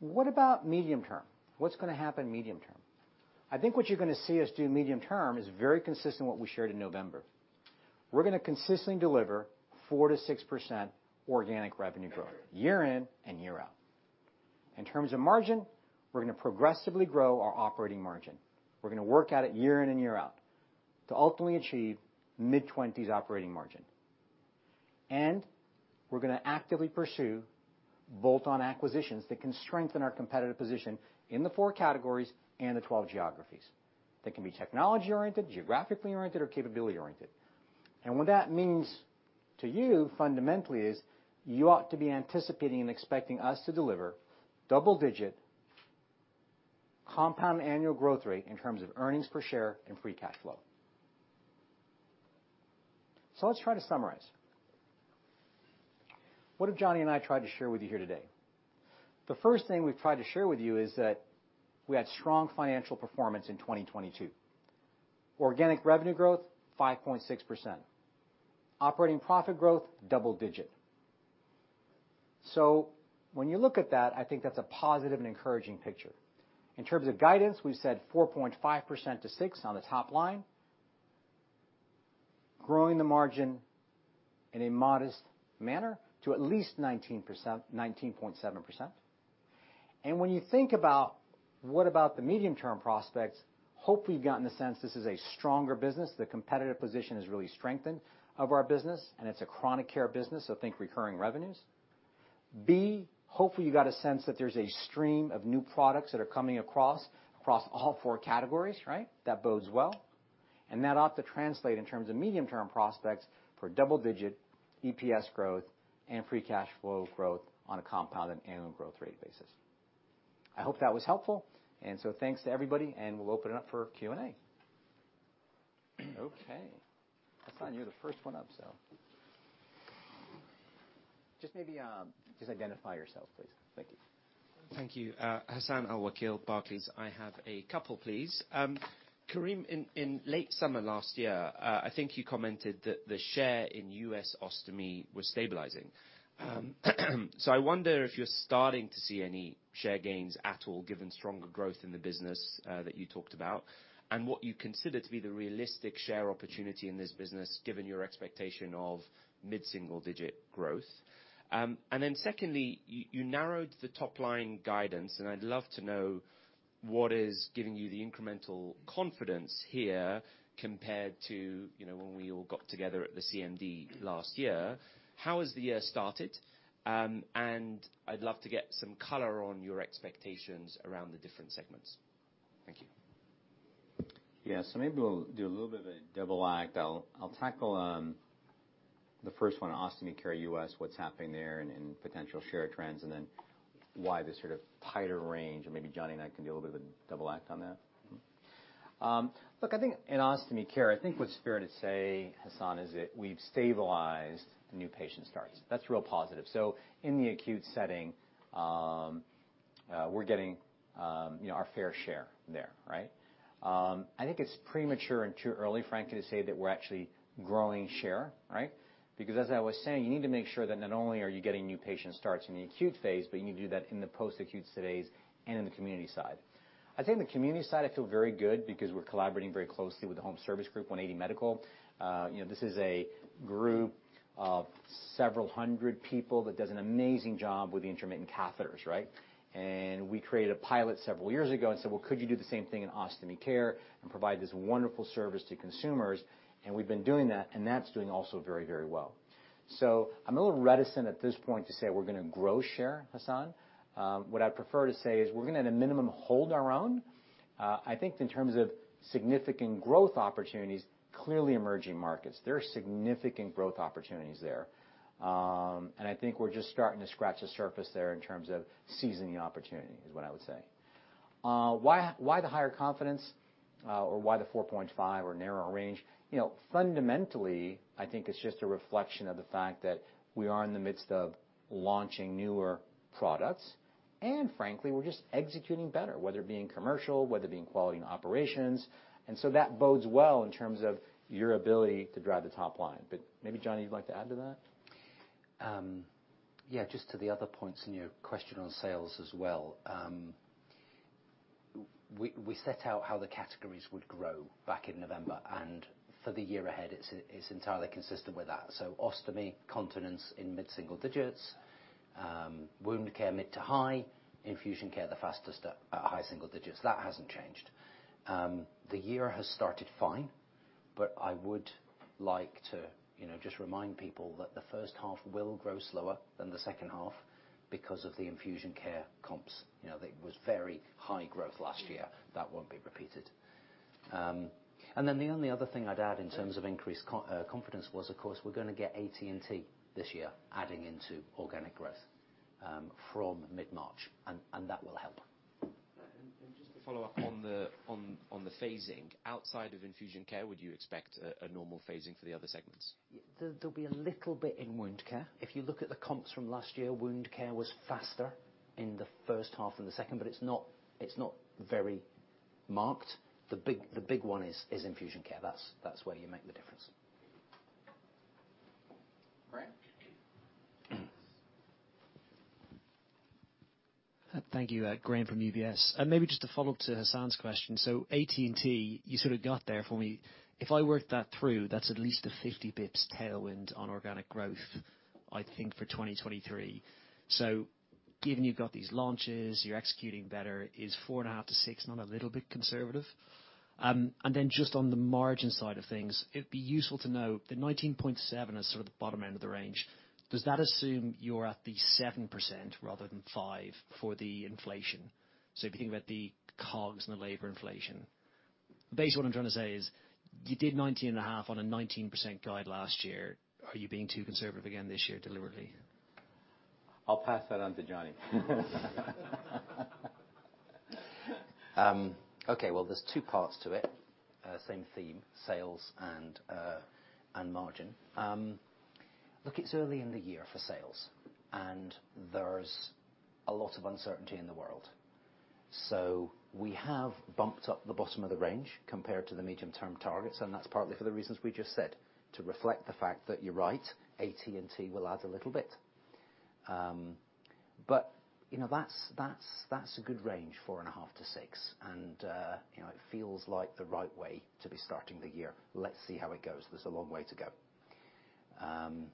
What about medium-term? What's gonna happen medium-term? I think what you're gonna see us do medium-term is very consistent with what we shared in November. We're gonna consistently deliver 4%-6% organic revenue growth year in and year out. In terms of margin, we're gonna progressively grow our operating margin. We're gonna work at it year in and year out to ultimately achieve mid-20s operating margin. We're gonna actively pursue bolt-on acquisitions that can strengthen our competitive position in the four categories and the 12 geographies. They can be technology-oriented, geographically-oriented, or capability-oriented. What that means to you fundamentally is you ought to be anticipating and expecting us to deliver double-digit compound annual growth rate in terms of earnings per share and free cash flow. Let's try to summarize. What have Jonny and I tried to share with you here today? The first thing we've tried to share with you is that we had strong financial performance in 2022. Organic revenue growth, 5.6%. Operating profit growth, double digit. When you look at that, I think that's a positive and encouraging picture. In terms of guidance, we've said 4.5%-6% on the top line. Growing the margin in a modest manner to at least 19%, 19.7%. When you think about what about the medium-term prospects, hope you've gotten the sense this is a stronger business. The competitive position has really strengthened of our business, and it's a chronic care business, so think recurring revenues. B, hopefully you got a sense that there's a stream of new products that are coming across all four categories, right? That bodes well. That ought to translate in terms of medium-term prospects for double-digit EPS growth and free cash flow growth on a compounded annual growth rate basis. I hope that was helpful. So thanks to everybody, and we'll open it up for Q&A. Okay. Hassan, you're the first one up, so... Just maybe, just identify yourself, please. Thank you. Thank you. Hassan Al-Wakeel, Barclays. I have a couple, please. Karim, in late summer last year, I think you commented that the share in U.S. Ostomy was stabilizing. I wonder if you're starting to see any share gains at all, given stronger growth in the business that you talked about, and what you consider to be the realistic share opportunity in this business, given your expectation of mid-single digit growth. Secondly, you narrowed the top-line guidance, and I'd love to know what is giving you the incremental confidence here compared to, you know, when we all got together at the CMD last year. How has the year started? I'd love to get some color on your expectations around the different segments. Thank you. Yeah. Maybe I'll do a little bit of a double act. I'll tackle the first one, Ostomy Care U.S., what's happening there and potential share trends, and then why this sort of tighter range. Maybe Jonny and I can do a little bit of a double act on that. Look, I think in Ostomy Care, I think what's fair to say, Hassan, is that we've stabilized the new patient starts. That's real positive. In the acute setting, we're getting, you know, our fair share there, right? I think it's premature and too early, frankly, to say that we're actually growing share, right? As I was saying, you need to make sure that not only are you getting new patient starts in the acute phase, but you need to do that in the post-acute phase and in the community side. I think the community side, I feel very good because we're collaborating very closely with the home service group, 180 Medical. You know, this is a group of several hundred people that does an amazing job with the intermittent catheters, right? We created a pilot several years ago and said, "Well, could you do the same thing in Ostomy Care and provide this wonderful service to consumers?" We've been doing that, and that's doing also very, very well. I'm a little reticent at this point to say we're gonna grow share, Hassan. What I prefer to say is we're gonna, at a minimum, hold our own. I think in terms of significant growth opportunities, clearly emerging markets, there are significant growth opportunities there. I think we're just starting to scratch the surface there in terms of seizing the opportunity, is what I would say. Why, why the higher confidence, or why the 4.5 or narrower range? You know, fundamentally, I think it's just a reflection of the fact that we are in the midst of launching newer products, and frankly, we're just executing better, whether it be in commercial, whether it be in quality and operations. That bodes well in terms of your ability to drive the top line. Maybe, Jonny, you'd like to add to that. Yeah, just to the other points in your question on sales as well. We set out how the categories would grow back in November, and for the year ahead, it's entirely consistent with that. Ostomy Continence in mid-single digits, Wound Care mid to high, Infusion Care, the fastest at high single digits. That hasn't changed. The year has started fine, but I would like to, you know, just remind people that the first half will grow slower than the second half because of the Infusion Care comps. You know, that was very high growth last year. That won't be repeated. And then the only other thing I'd add in terms of increased confidence was, of course, we're gonna get ATT this year adding into organic growth from mid-March, and that will help. Just to follow up on the phasing. Outside of Infusion Care, would you expect a normal phasing for the other segments? There'll be a little bit in Wound Care. If you look at the comps from last year, Wound Care was faster in the first half than the second, but it's not very marked. The big one is Infusion Care. That's where you make the difference. Graham? Thank you. Graham from UBS. Maybe just to follow up to Hassan's question. ATT, you sort of got there for me. If I work that through, that's at least a 50 basis points tailwind on organic growth, I think, for 2023. Given you've got these launches, you're executing better, is 4.5%-6% not a little bit conservative? Then just on the margin side of things, it'd be useful to know, the 19.7% is sort of the bottom end of the range. Does that assume you're at the 7% rather than 5% for the inflation? If you think about the COGS and the labor inflation. Basically, what I'm trying to say is you did 19.5% on a 19% guide last year. Are you being too conservative again this year deliberately? I'll pass that on to Jonny. Okay, well, there's two parts to it. Same theme, sales and margin. Look, it's early in the year for sales, and there's a lot of uncertainty in the world. We have bumped up the bottom of the range compared to the medium-term targets, and that's partly for the reasons we just said, to reflect the fact that you're right, ATT will add a little bit. You know, that's a good range, 4.5%-6%. You know, it feels like the right way to be starting the year. Let's see how it goes. There's a long way to go.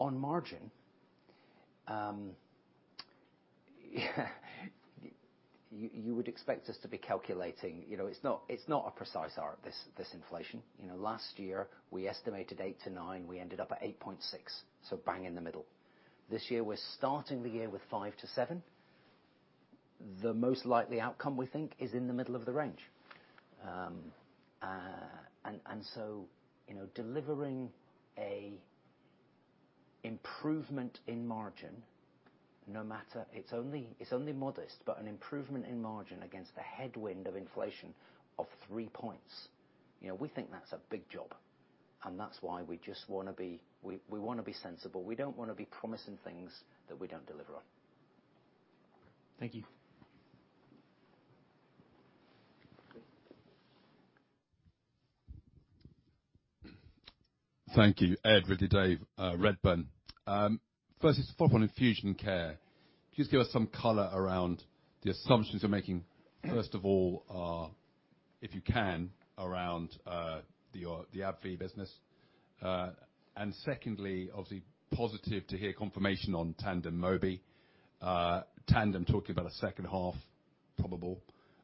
On margin, you would expect us to be calculating. You know, it's not, it's not a precise art, this inflation. You know, last year, we estimated 8%-9%. We ended up at 8.6%, so bang in the middle. This year, we're starting the year with 5%-7%. The most likely outcome, we think, is in the middle of the range. You know, delivering a improvement in margin, no matter... It's only modest, but an improvement in margin against the headwind of inflation of three points. You know, we think that's a big job, and that's why we just wanna be sensible. We don't wanna be promising things that we don't deliver on. Thank you. Thank you. Ed Ridley-Day, Redburn. First, just a follow-up on Infusion Care. Could you just give us some color around the assumptions you're making, first of all, if you can, around the AbbVie business. Secondly, obviously positive to hear confirmation on Tandem Mobi. Tandem talking about a second half probable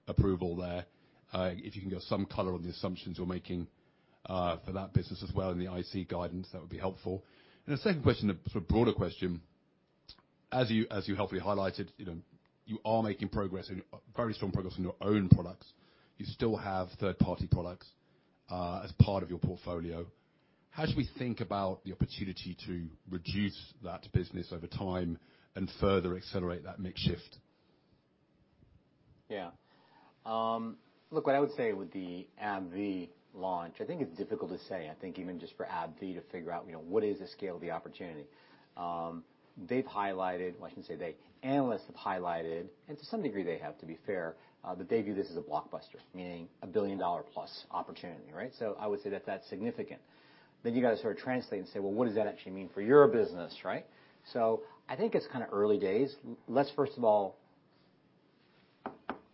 approval there. If you can give us some color on the assumptions you're making for that business as well and the IC guidance, that would be helpful. The second question, a sort of broader question. As you help me highlight it, you know, you are making progress and very strong progress on your own products. You still have third-party products as part of your portfolio. How should we think about the opportunity to reduce that business over time and further accelerate that mix shift? Look, what I would say with the AbbVie launch, I think it's difficult to say. I think even just for AbbVie to figure out, you know, what is the scale of the opportunity. Analysts have highlighted, and to some degree they have, to be fair, that they view this as a blockbuster, meaning a billion-dollar plus opportunity, right? I would say that that's significant. You gotta sort of translate and say, "Well, what does that actually mean for your business," right? I think it's kinda early days. Let's first of all,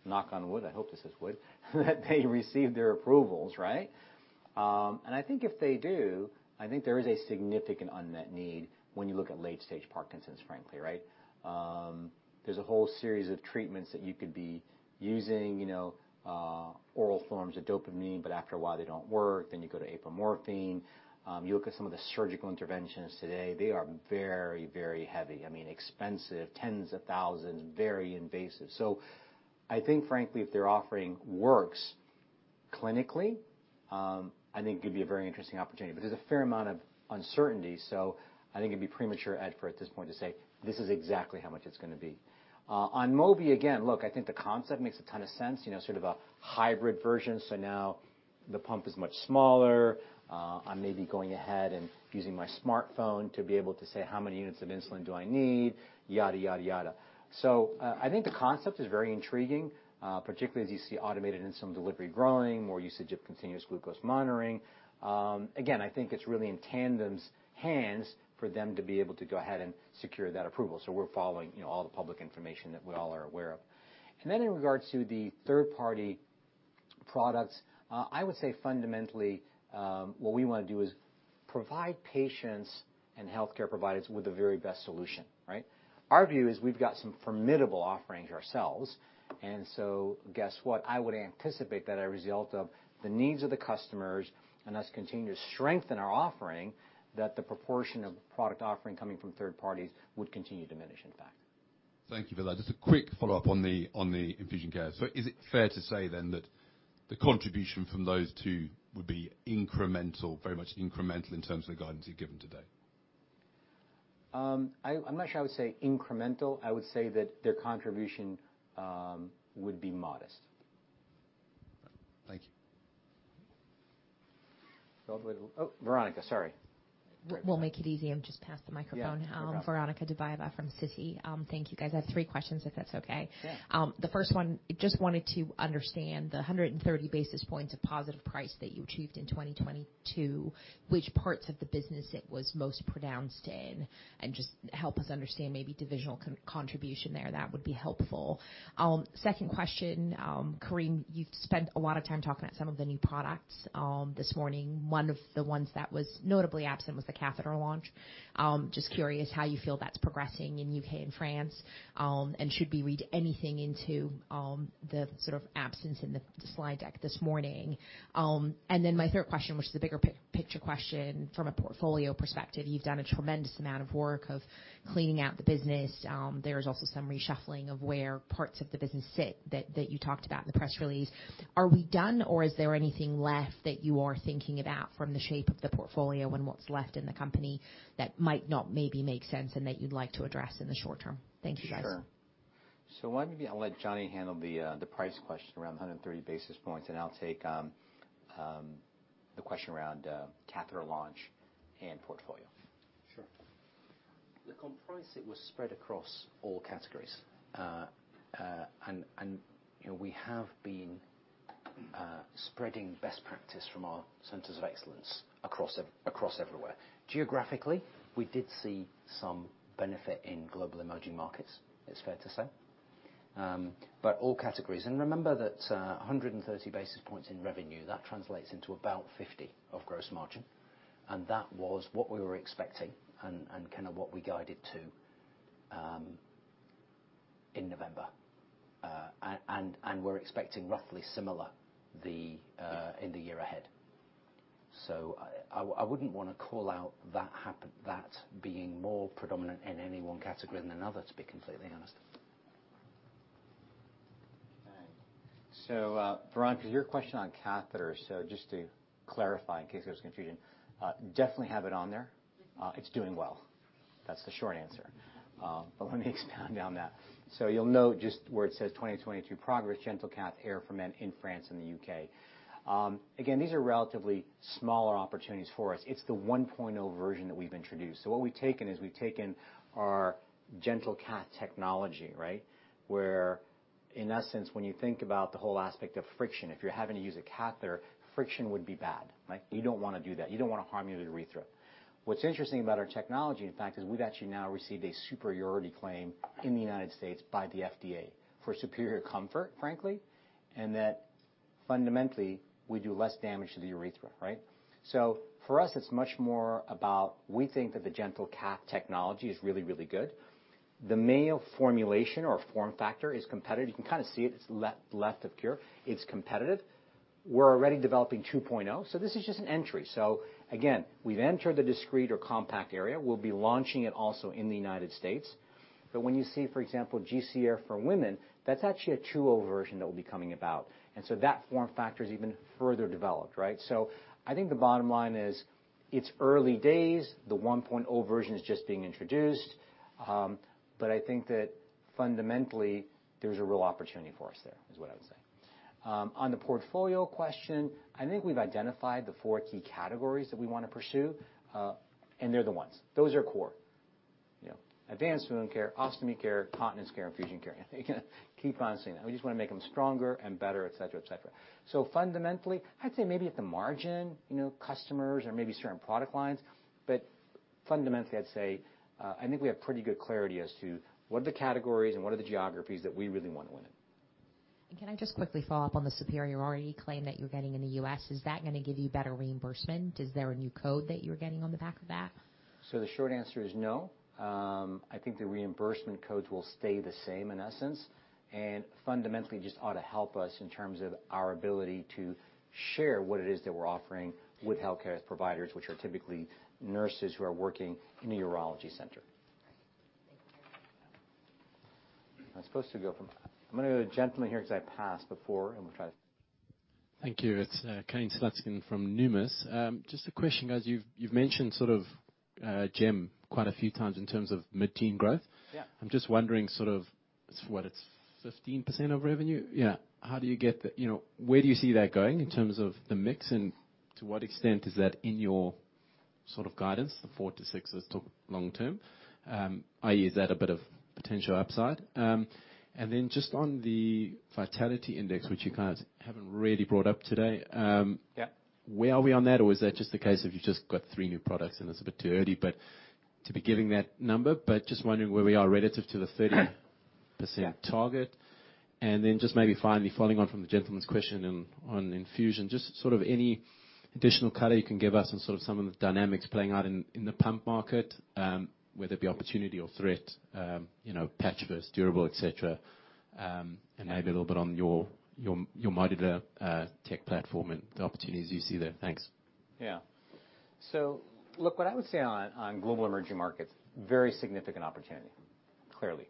knock on wood. I hope this is wood. That they receive their approvals, right? I think if they do, I think there is a significant unmet need when you look at late-stage Parkinson's, frankly, right? There's a whole series of treatments that you could be using, you know, oral forms of dopamine, but after a while they don't work, then you go to apomorphine. You look at some of the surgical interventions today, they are very, very heavy. I mean, expensive, tens of thousands of dollars, very invasive. I think, frankly, if their offering works clinically, I think it could be a very interesting opportunity. There's a fair amount of uncertainty, so I think it'd be premature, Ed, for at this point to say, "This is exactly how much it's gonna be." On Mobi, again, look, I think the concept makes a ton of sense. You know, sort of a hybrid version, so now the pump is much smaller. I'm maybe going ahead and using my smartphone to be able to say how many units of insulin do I need, yada, yada. I think the concept is very intriguing, particularly as you see automated insulin delivery growing, more usage of continuous glucose monitoring. Again, I think it's really in Tandem's hands for them to be able to go ahead and secure that approval. We're following, you know, all the public information that we all are aware of. In regards to the third-party products, I would say fundamentally, what we wanna do is provide patients and healthcare providers with the very best solution, right? Our view is we've got some formidable offerings ourselves. Guess what? I would anticipate that a result of the needs of the customers and us continuing to strengthen our offering, that the proportion of product offering coming from third parties would continue to diminish, in fact. Thank you for that. Just a quick follow-up on the, on the infusion care. Is it fair to say then that the contribution from those two would be incremental, very much incremental in terms of the guidance you've given today? I'm not sure I would say incremental. I would say that their contribution, would be modest. Thank you. Oh, Veronika, sorry. We'll make it easy. I'm just pass the microphone. Yeah. No problem. Veronika Dubajova from Citi. Thank you, guys. I have three.. Questions, if that's okay. Yeah. The first one, just wanted to understand the 130 basis points of positive price that you achieved in 2022, which parts of the business it was most pronounced in. Just help us understand maybe divisional contribution there. That would be helpful. Second question. Karim, you've spent a lot of time talking about some of the new products this morning. One of the ones that was notably absent was the catheter launch. Just curious how you feel that's progressing in U.K., and France, and should we read anything into the sort of absence in the slide deck this morning? My third question, which is the bigger picture question from a portfolio perspective. You've done a tremendous amount of work of cleaning out the business. There's also some reshuffling of where parts of the business sit that you talked about in the press release. Are we done, or is there anything left that you are thinking about from the shape of the portfolio and what's left in the company that might not maybe make sense and that you'd like to address in the short term? Thank you, guys. Sure. Why don't maybe I'll let Jonny handle the price question around the 130 basis points, and I'll take the question around catheter launch and portfolio. Sure. Look, on price, it was spread across all categories. You know, we have been Spreading best practice from our centers of excellence across everywhere. Geographically, we did see some benefit in Global Emerging Markets, it's fair to say. All categories. Remember that 130 basis points in revenue, that translates into about 50 of gross margin. That was what we were expecting and kind of what we guided to in November. We're expecting roughly similar in the year ahead. I wouldn't wanna call out that being more predominant in any one category than another, to be completely honest. Okay. Veronika, to your question on catheters. Just to clarify, in case there was confusion, definitely have it on there. It's doing well. That's the short answer. Let me expand on that. You'll note just where it says 2022 progress, GentleCath Air for Men in France and the U.K. Again, these are relatively smaller opportunities for us. It's the 1.0 version that we've introduced. What we've taken is we've taken our GentleCath technology, right? Where in essence, when you think about the whole aspect of friction, if you're having to use a catheter, friction would be bad, right? You don't wanna do that. You don't wanna harm your urethra. What's interesting about our technology, in fact, is we've actually now received a superiority claim in the United States by the FDA for superior comfort, frankly, and that fundamentally, we do less damage to the urethra, right? For us, it's much more about, we think that the GentleCath technology is really, really good. The male formulation or form factor is competitive. You can kinda see it. It's left of Cure. It's competitive. We're already developing 2.0, this is just an entry. Again, we've entered the discrete or compact area. We'll be launching it also in the United States. When you see, for example, GC Air for Women, that's actually a 2.0 version that will be coming about. That form factor is even further developed, right? I think the bottom line is it's early days. The 1.0 version is just being introduced. I think that fundamentally, there's a real opportunity for us there, is what I would say. On the portfolio question, I think we've identified the four key categories that we wanna pursue, and they're the ones. Those are core. You know, advanced wound care, Ostomy Care, continence care, and Infusion Care. Keep on saying that. We just wanna make them stronger and better, et cetera, et cetera. Fundamentally, I'd say maybe at the margin, you know, customers or maybe certain product lines. Fundamentally, I'd say, I think we have pretty good clarity as to what are the categories and what are the geographies that we really wanna win in. Can I just quickly follow up on the superiority claim that you're getting in the U.S.? Is that gonna give you better reimbursement? Is there a new code that you're getting on the back of that? The short answer is no. I think the reimbursement codes will stay the same in essence, and fundamentally just ought to help us in terms of our ability to share what it is that we're offering with healthcare providers, which are typically nurses who are working in a urology center. All right. Thank you. I'm supposed to go from. I'm gonna go to a gentleman here 'cause I passed before, and we'll try. Thank you. It's Kane Slutzkin from Numis. Just a question, guys. You've mentioned sort of GEM quite a few times in terms of mid-teen growth. Yeah. I'm just wondering sort of what it's 15% of revenue? Yeah. You know, where do you see that going in terms of the mix, and to what extent is that in your sort of guidance, the 4%-6% as to long term? I.e., is that a bit of potential upside? Just on the Vitality Index, which you guys haven't really brought up today. Yeah. Where are we on that, or is that just the case of you've just got three new products and it's a bit too early, but to be giving that number? Just wondering where we are relative to the 30% target. Just maybe finally following on from the gentleman's question on infusion, just sort of any additional color you can give us on sort of some of the dynamics playing out in the pump market, whether it be opportunity or threat, you know, patch versus durable, et cetera, and maybe a little bit on your, your monitor, tech platform and the opportunities you see there. Thanks. Yeah. Look, what I would say on global emerging markets, very significant opportunity, clearly.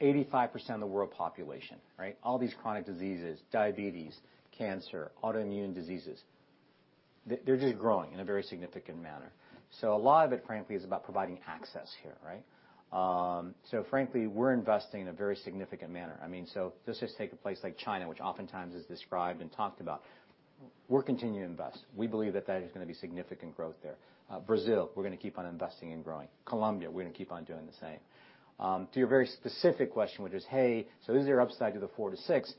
85% of the world population, right? All these chronic diseases, diabetes, cancer, autoimmune diseases, they're just growing in a very significant manner. A lot of it, frankly, is about providing access here, right? frankly, we're investing in a very significant manner. I mean, just let's take a place like China, which oftentimes is described and talked about. We'll continue to invest. We believe that that is gonna be significant growth there. Brazil, we're gonna keep on investing and growing. Colombia, we're gonna keep on doing the same. To your very specific question, which is, hey, so is there upside to the 4%-6%?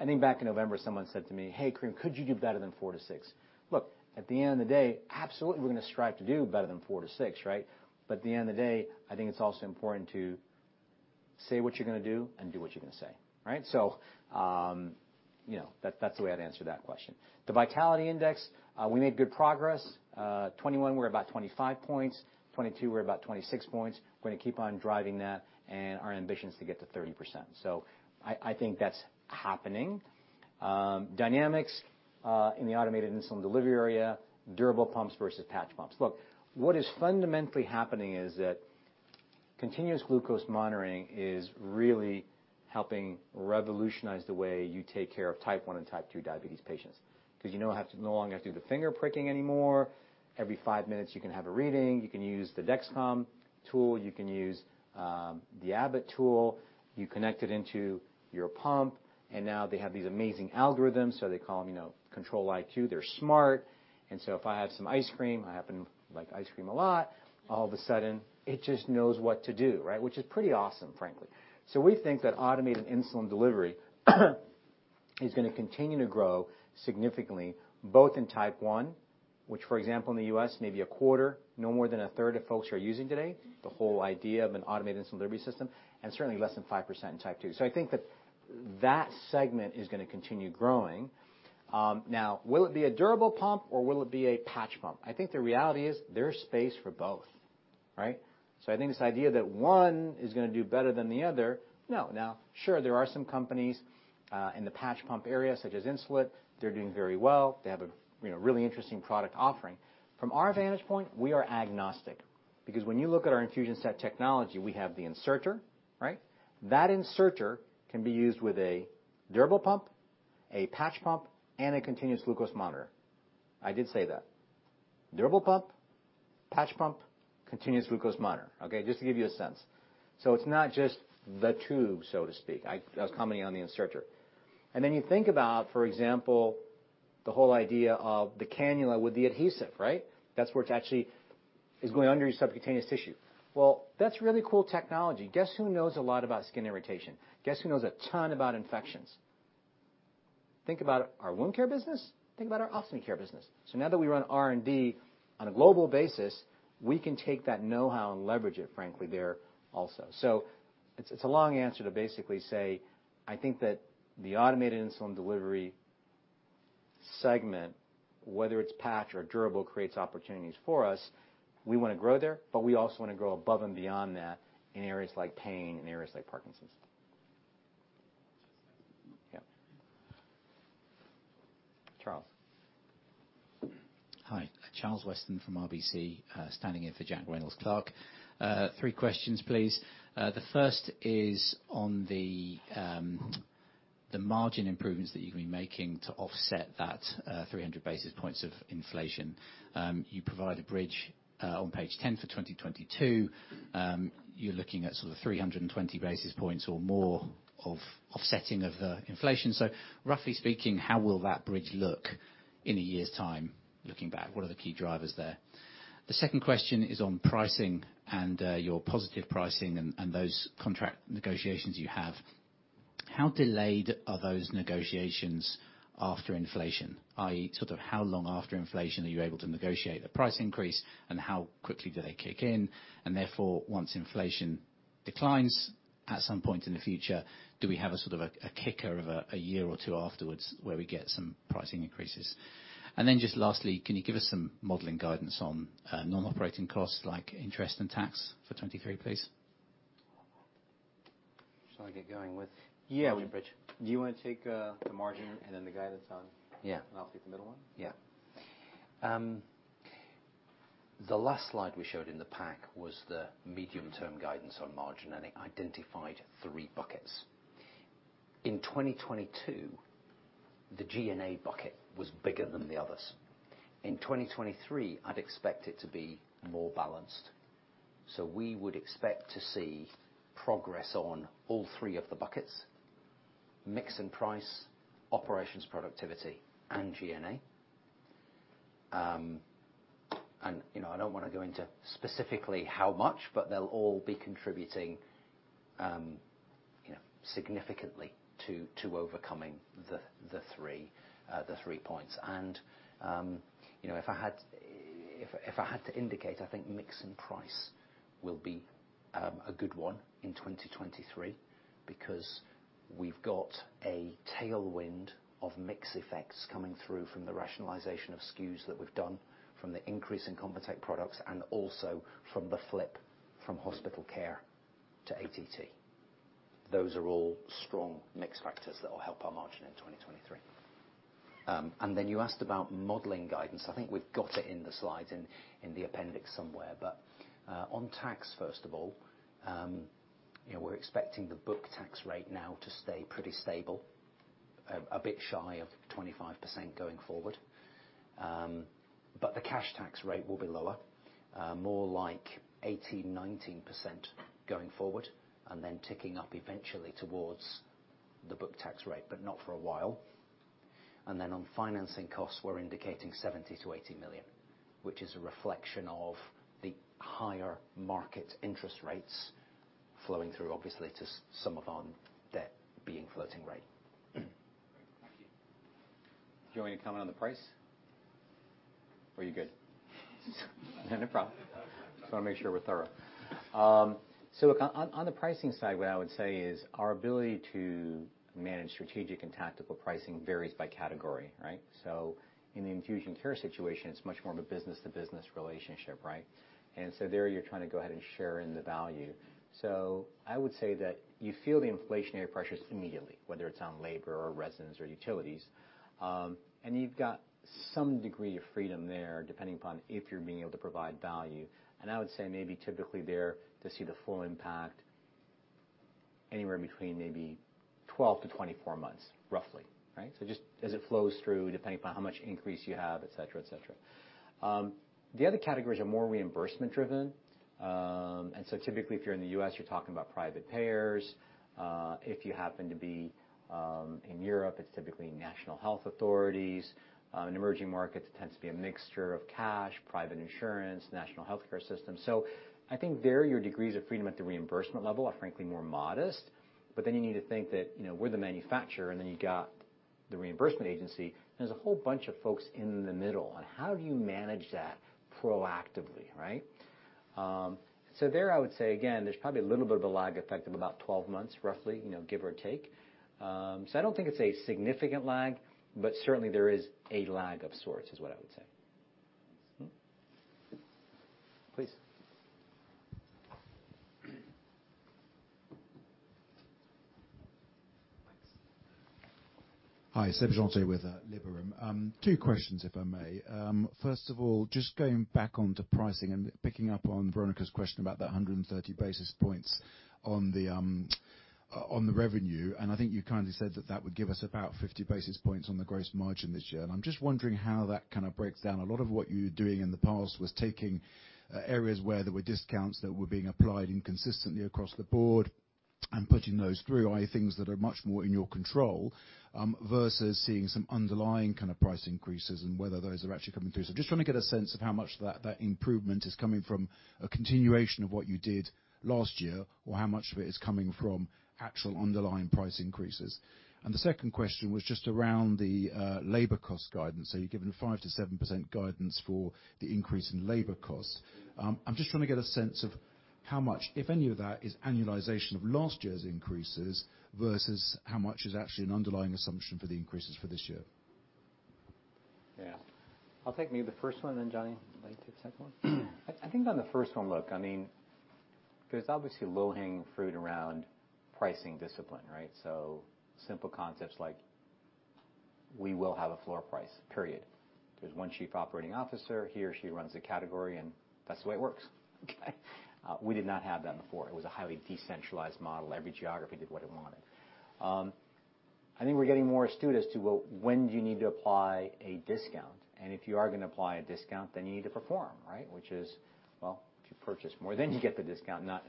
I think back in November, someone said to me, "Hey, Karim, could you do better than 4-6?" Look, at the end of the day, absolutely we're gonna strive to do better than 4-6, right? At the end of the day, I think it's also important to say what you're gonna do and do what you're gonna say, right? You know, that's the way I'd answer that question. The Vitality Index, we made good progress. 21, we're about 25 points. 22, we're about 26 points. We're gonna keep on driving that, and our ambition is to get to 30%. I think that's happening. Dynamics in the automated insulin delivery area, durable pumps versus patch pumps. Look, what is fundamentally happening is that continuous glucose monitoring is really helping revolutionize the way you take care of type one and type two diabetes patients. 'Cause you no longer have to do the finger pricking anymore. Every five minutes, you can have a reading. You can use the Dexcom tool. You can use the Abbott tool. You connect it into your pump and now they have these amazing algorithms. They call them, you know, Control-IQ, they're smart. If I have some ice cream, I happen to like ice cream a lot, all of a sudden, it just knows what to do, right? Which is pretty awesome, frankly. We think that automated insulin delivery is gonna continue to grow significantly, both in type one, which, for example, in the U.S., maybe a quarter, no more than a third of folks are using today, the whole idea of an automated insulin delivery system, and certainly less than 5% in type two. I think that that segment is gonna continue growing. Now will it be a durable pump or will it be a patch pump? I think the reality is there's space for both, right? I think this idea that one is gonna do better than the other, no. Now, sure, there are some companies in the patch pump area such as Insulet, they're doing very well. They have a, you know, really interesting product offering. From our vantage point, we are agnostic because when you look at our infusion set technology, we have the inserter, right? That inserter can be used with a durable pump, a patch pump, and a continuous glucose monitor. I did say that. Durable pump, patch pump, continuous glucose monitor. Okay, just to give you a sense. It's not just the tube, so to speak. I was commenting on the inserter. Then you think about, for example, the whole idea of the cannula with the adhesive, right? That's where it's actually is going under your subcutaneous tissue. Well, that's really cool technology. Guess who knows a lot about skin irritation? Guess who knows a ton about infections? Think about our wound care business. Think about our Ostomy Care business. Now that we run R&D on a global basis, we can take that know-how and leverage it frankly there also. It's, it's a long answer to basically say, I think that the automated insulin delivery segment, whether it's patch or durable, creates opportunities for us. We wanna grow there, but we also wanna grow above and beyond that in areas like pain and areas like Parkinson's. Yep. Charles. Hi, Charles Weston from RBC, standing in for Jack Reynolds-Clarke. Three questions, please. The first is on the margin improvements that you're gonna be making to offset that 300 basis points of inflation. You provide a bridge on page 10 for 2022. You're looking at sort of 320 basis points or more of offsetting of the inflation. Roughly speaking, how will that bridge look in a year's time looking back? What are the key drivers there? The second question is on pricing and your positive pricing and those contract negotiations you have. How delayed are those negotiations after inflation, i.e., sort of how long after inflation are you able to negotiate a price increase and how quickly do they kick in? Therefore, once inflation declines at some point in the future, do we have a sort of a kicker of a year or two afterwards where we get some pricing increases? Then just lastly, can you give us some modeling guidance on non-operating costs like interest and tax for 2023, please? Shall I get going? Yeah. The bridge? Do you wanna take the margin and then the guidance? Yeah. I'll take the middle one. Yeah. The last slide we showed in the pack was the medium-term guidance on margin. It identified three buckets. In 2022, the G&A bucket was bigger than the others. In 2023, I'd expect it to be more balanced. We would expect to see progress on all three of the buckets: mix and price, operations productivity, and G&A. You know, I don't wanna go into specifically how much, but they'll all be contributing, you know, significantly to overcoming the three points. you know, if I had to indicate, I think mix and price will be a good one in 2023 because we've got a tailwind of mix effects coming through from the rationalization of SKUs that we've done, from the increase in ConvaTec products and also from the flip from hospital care to ATT. Those are all strong mix factors that will help our margin in 2023. You asked about modeling guidance. I think we've got it in the slides in the appendix somewhere. on tax, first of all, you know, we're expecting the book tax rate now to stay pretty stable, a bit shy of 25% going forward. The cash tax rate will be lower, more like 18%-19% going forward, and then ticking up eventually towards the book tax rate, but not for a while. On financing costs, we're indicating $70 million-$80 million, which is a reflection of the higher market interest rates flowing through obviously to some of our debt being floating rate. Thank you. Do you want me to comment on the price? Or are you good? No, no problem. Just wanna make sure we're thorough. So look, on the pricing side, what I would say is our ability to manage strategic and tactical pricing varies by category, right? So in the infusion care situation, it's much more of a business-to-business relationship, right? There you're trying to go ahead and share in the value. I would say that you feel the inflationary pressures immediately, whether it's on labor or resins or utilities. And you've got some degree of freedom there, depending upon if you're being able to provide value. I would say maybe typically there to see the full impact anywhere between maybe 12-24 months, roughly, right? Just as it flows through, depending upon how much increase you have, et cetera, et cetera. The other categories are more reimbursement driven. Typically, if you're in the U.S., you're talking about private payers. If you happen to be in Europe, it's typically national health authorities. In emerging markets, it tends to be a mixture of cash, private insurance, national healthcare system. I think there, your degrees of freedom at the reimbursement level are frankly more modest. You need to think that, you know, we're the manufacturer, and then you got the reimbursement agency. There's a whole bunch of folks in the middle. How do you manage that proactively, right? There, I would say again, there's probably a little bit of a lag effect of about 12 months, roughly, you know, give or take. I don't think it's a significant lag, but certainly there is a lag of sorts, is what I would say. Please. Hi, Seb Jantet with Liberum. Two questions, if I may. First of all, just going back onto pricing and picking up on Veronica's question about that 130 basis points on the revenue, and I think you kindly said that that would give us about 50 basis points on the gross margin this year. I'm just wondering how that kind of breaks down. A lot of what you were doing in the past was taking areas where there were discounts that were being applied inconsistently across the board and putting those through, i.e., things that are much more in your control, versus seeing some underlying kind of price increases and whether those are actually coming through. Just trying to get a sense of how much that improvement is coming from a continuation of what you did last year, or how much of it is coming from actual underlying price increases? The second question was just around the labor cost guidance. You've given 5%-7% guidance for the increase in labor costs. I'm just trying to get a sense of how much, if any of that, is annualization of last year's increases versus how much is actually an underlying assumption for the increases for this year? Yeah. I'll take maybe the first one, then Jonny, you might take the second one. I think on the first one, look, I mean, there's obviously low-hanging fruit around pricing discipline, right? Simple concepts like we will have a floor price, period. There's one chief operating officer, he or she runs the category, and that's the way it works. Okay? We did not have that before. It was a highly decentralized model. Every geography did what it wanted. I think we're getting more astute as to, well, when do you need to apply a discount? If you are gonna apply a discount, then you need to perform, right? Which is, well, if you purchase more, then you get the discount, not...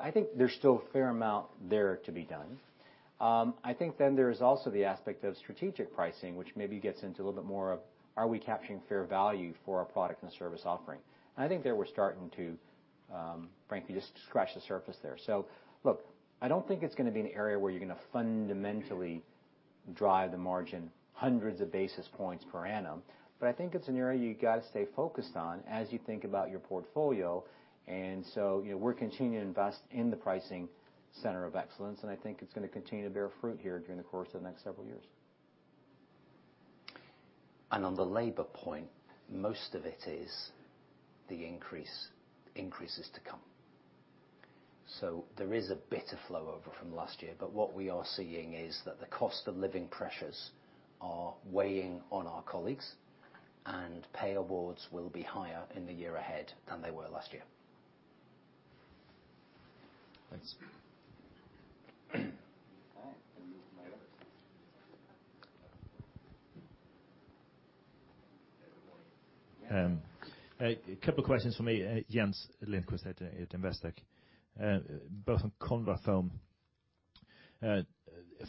I think there's still a fair amount there to be done. I think then there's also the aspect of strategic pricing, which maybe gets into a little bit more of are we capturing fair value for our product and service offering? I think there, we're starting to, frankly, just scratch the surface there. Look, I don't think it's gonna be an area where you're gonna fundamentally drive the margin hundreds of basis points per annum. I think it's an area you've got to stay focused on as you think about your portfolio. You know, we're continuing to invest in the pricing center of excellence, and I think it's gonna continue to bear fruit here during the course of the next several years. On the labor point, most of it is increases to come. There is a bit of flow over from last year, but what we are seeing is that the cost of living pressures are weighing on our colleagues, and pay awards will be higher in the year ahead than they were last year. Thanks. All right. A couple questions from me, Jens Lindqvist at Investec. Both on ConvaFoam.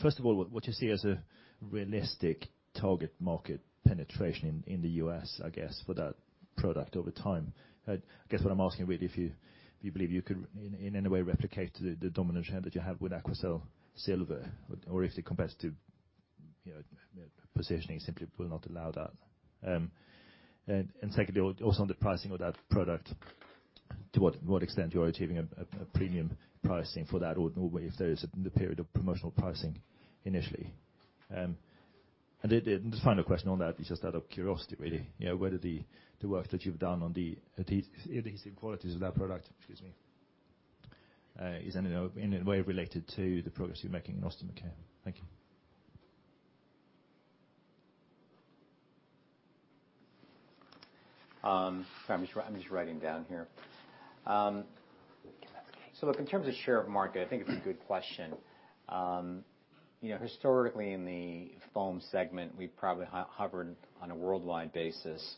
First of all, what you see as a realistic target market penetration in the U.S., I guess, for that product over time. I guess what I'm asking, really, if you believe you can in any way replicate the dominance that you have with AQUACEL Ag, or if the competitive, you know, positioning simply will not allow that. And secondly, also on the pricing of that product, to what extent you are achieving a premium pricing for that or if there is a period of promotional pricing initially. And the final question on that is just out of curiosity, really. You know, whether the work that you've done on the adhesive qualities of that product, excuse me, in any way related to the progress you're making in Ostomy Care. Thank you. Sorry, I'm just writing down here. Look, in terms of share of market, I think it's a good question. You know, historically, in the foam segment, we probably hovered on a worldwide basis,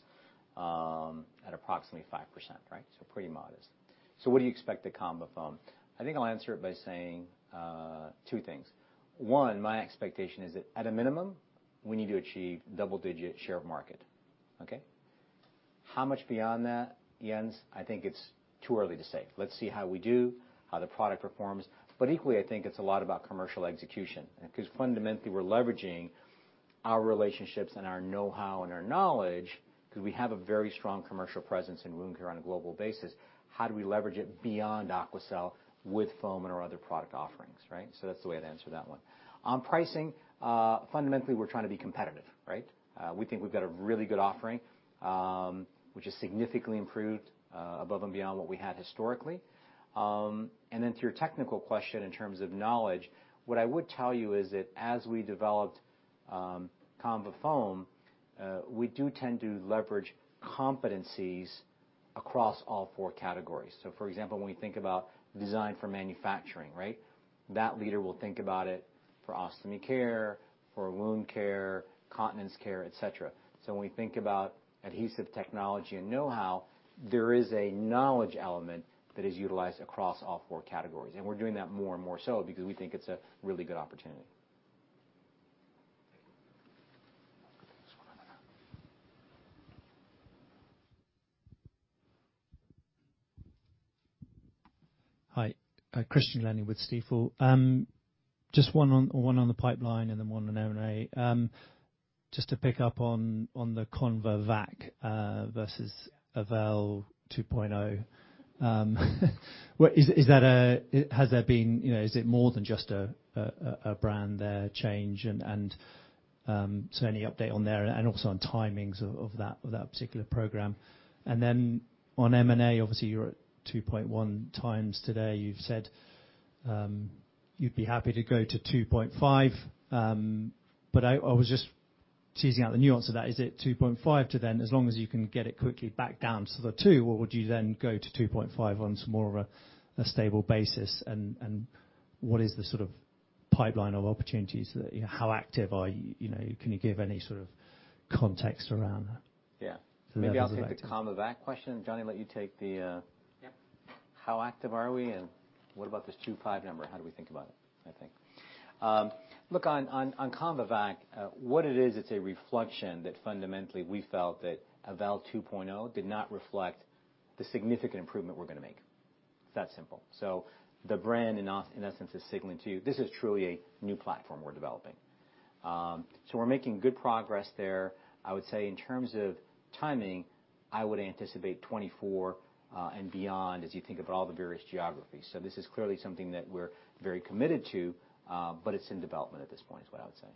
at approximately 5%, right? Pretty modest. What do you expect at ConvaFoam? I think I'll answer it by saying two things. One, my expectation is that at a minimum, we need to achieve double-digit share of market. Okay? How much beyond that, Jens? I think it's too early to say. Let's see how we do, how the product performs. Equally, I think it's a lot about commercial execution, because fundamentally, we're leveraging our relationships and our know-how and our knowledge, because we have a very strong commercial presence in wound care on a global basis. How do we leverage it beyond AQUACEL with foam and our other product offerings, right? That's the way I'd answer that one. On pricing, fundamentally, we're trying to be competitive, right? We think we've got a really good offering, which is significantly improved, above and beyond what we had historically. Then to your technical question, in terms of knowledge, what I would tell you is that as we developed ConvaFoam, we do tend to leverage competencies across all four categories. For example, when you think about design for manufacturing, right? That leader will think about it for Ostomy Care, for wound care, continence care, et cetera. When we think about adhesive technology and know-how, there is a knowledge element that is utilized across all four categories. We're doing that more and more so because we think it's a really good opportunity. Hi. Christian Glennie with Stifel. Just one on the pipeline and then one on M&A. Just to pick up on the ConvaTec versus Avel 2.0. Well is it more than just a brand change? Any update on there and also on timings of that particular program. On M&A, obviously you're at 2.1x today. You've said you'd be happy to go to 2.5. I was just teasing out the nuance of that. Is it 2.5 to then as long as you can get it quickly back down to the two? Would you then go to 2.5 on some more of a stable basis? What is the sort of pipeline of opportunities that... How active are you? You know, can you give any sort of context around that? Yeah. Maybe I'll take the ConvaTec question. Jonny, let you take the. Yeah. How active are we and what about this 25 number? How do we think about it, I think. Look, on ConvaTec, what it is, it's a reflection that fundamentally we felt that Avel 2.0 did not reflect the significant improvement we're gonna make. It's that simple. The brand in essence is signaling to you, this is truly a new platform we're developing. We're making good progress there. I would say in terms of timing, I would anticipate 2024 and beyond as you think about all the various geographies. This is clearly something that we're very committed to, but it's in development at this point, is what I would say.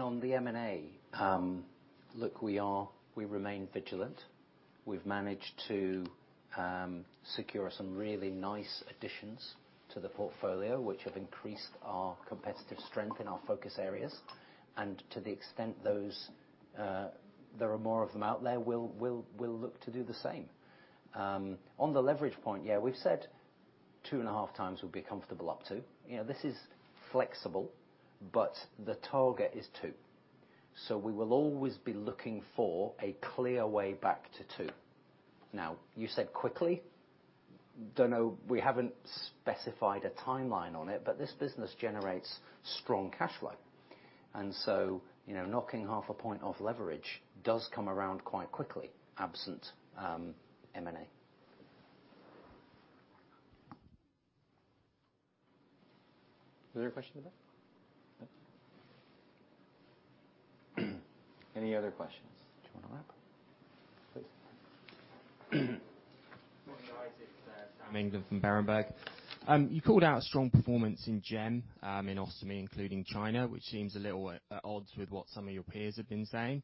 On the M&A, look, we remain vigilant. We've managed to secure some really nice additions to the portfolio, which have increased our competitive strength in our focus areas. To the extent those, there are more of them out there, we'll look to do the same. On the leverage point, yeah, we've said 2.5x we'll be comfortable up to. You know, this is flexible, but the target is two. We will always be looking for a clear way back to two. You said quickly. We haven't specified a timeline on it, but this business generates strong cash flow. You know, knocking 0.5 point off leverage does come around quite quickly, absent M&A. Is there a question in the back? Any other questions? Do you wanna wrap? Please. Morning, guys. It's Sam Englander from Berenberg. You called out strong performance in GEM, in Ostomy, including China, which seems a little at odds with what some of your peers have been saying.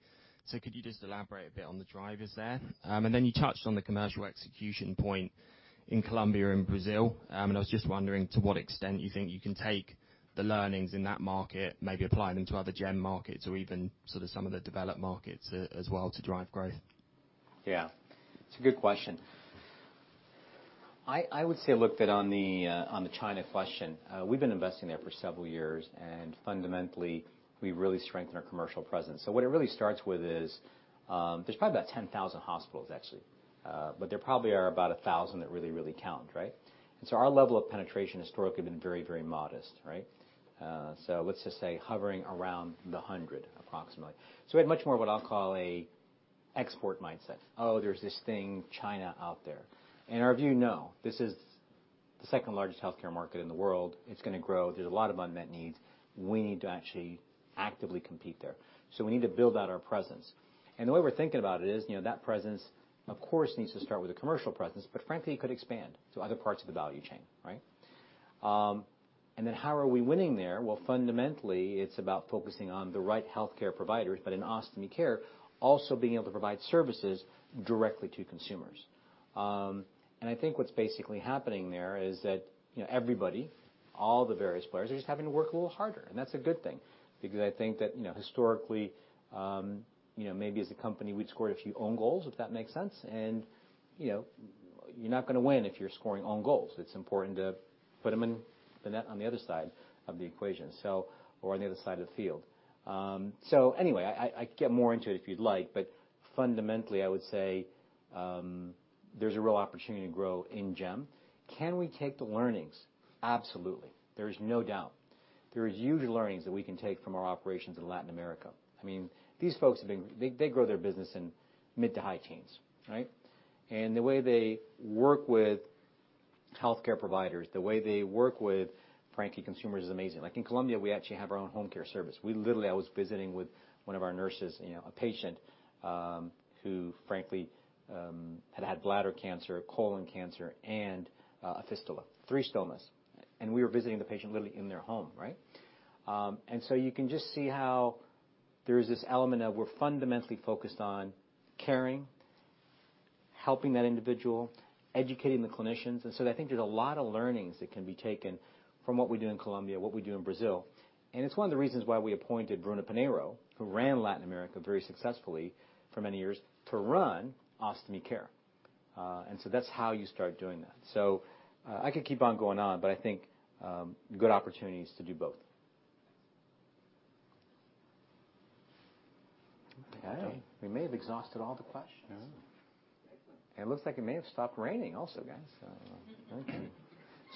Could you just elaborate a bit on the drivers there? You touched on the commercial execution point in Colombia and Brazil. I was just wondering to what extent you think you can take the learnings in that market, maybe apply them to other GEM markets or even sort of some of the developed markets as well to drive growth. Yeah, it's a good question. I would say, look, that on the China question, we've been investing there for several years and fundamentally, we really strengthen our commercial presence. What it really starts with is, there's probably about 10,000 hospitals actually, but there probably are about 1,000 that really count, right? Our level of penetration historically have been very modest, right? Let's just say hovering around the 100, approximately. We had much more what I'll call a export mindset. There's this thing, China out there. In our view, no. This is the second-largest healthcare market in the world. It's gonna grow. There's a lot of unmet needs. We need to actually actively compete there. We need to build out our presence. The way we're thinking about it is, you know, that presence, of course, needs to start with a commercial presence, but frankly, it could expand to other parts of the value chain, right? How are we winning there? Well, fundamentally, it's about focusing on the right healthcare providers, but in Ostomy Care, also being able to provide services directly to consumers. I think what's basically happening there is that, you know, everybody, all the various players, are just having to work a little harder, and that's a good thing because I think that, you know, historically, you know, maybe as a company, we'd scored a few own goals, if that makes sense. You know, you're not gonna win if you're scoring own goals. It's important to put them in the net on the other side of the equation, so or on the other side of the field. Anyway, I could get more into it if you'd like, but fundamentally, I would say, there's a real opportunity to grow in GEM. Can we take the learnings? Absolutely. There's no doubt. There are huge learnings that we can take from our operations in Latin America. I mean, these folks they grow their business in mid to high teens, right? The way they work with healthcare providers, the way they work with, frankly, consumers is amazing. Like in Colombia, we actually have our own home care service. We literally I was visiting with one of our nurses, you know, a patient, who frankly had bladder cancer, colon cancer, and a fistula, three stomas. We were visiting the patient literally in their home, right? You can just see how there is this element of we're fundamentally focused on caring, helping that individual, educating the clinicians. I think there's a lot of learnings that can be taken from what we do in Colombia, what we do in Brazil. It's one of the reasons why we appointed Bruno Pinheiro, who ran Latin America very successfully for many years to run Ostomy Care. That's how you start doing that. I could keep on going on, but I think good opportunities to do both. Okay. We may have exhausted all the questions. Yeah. It looks like it may have stopped raining also, guys.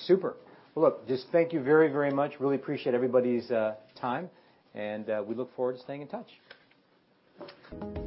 Super. Look, just thank you very, very much. Really appreciate everybody's time and we look forward to staying in touch.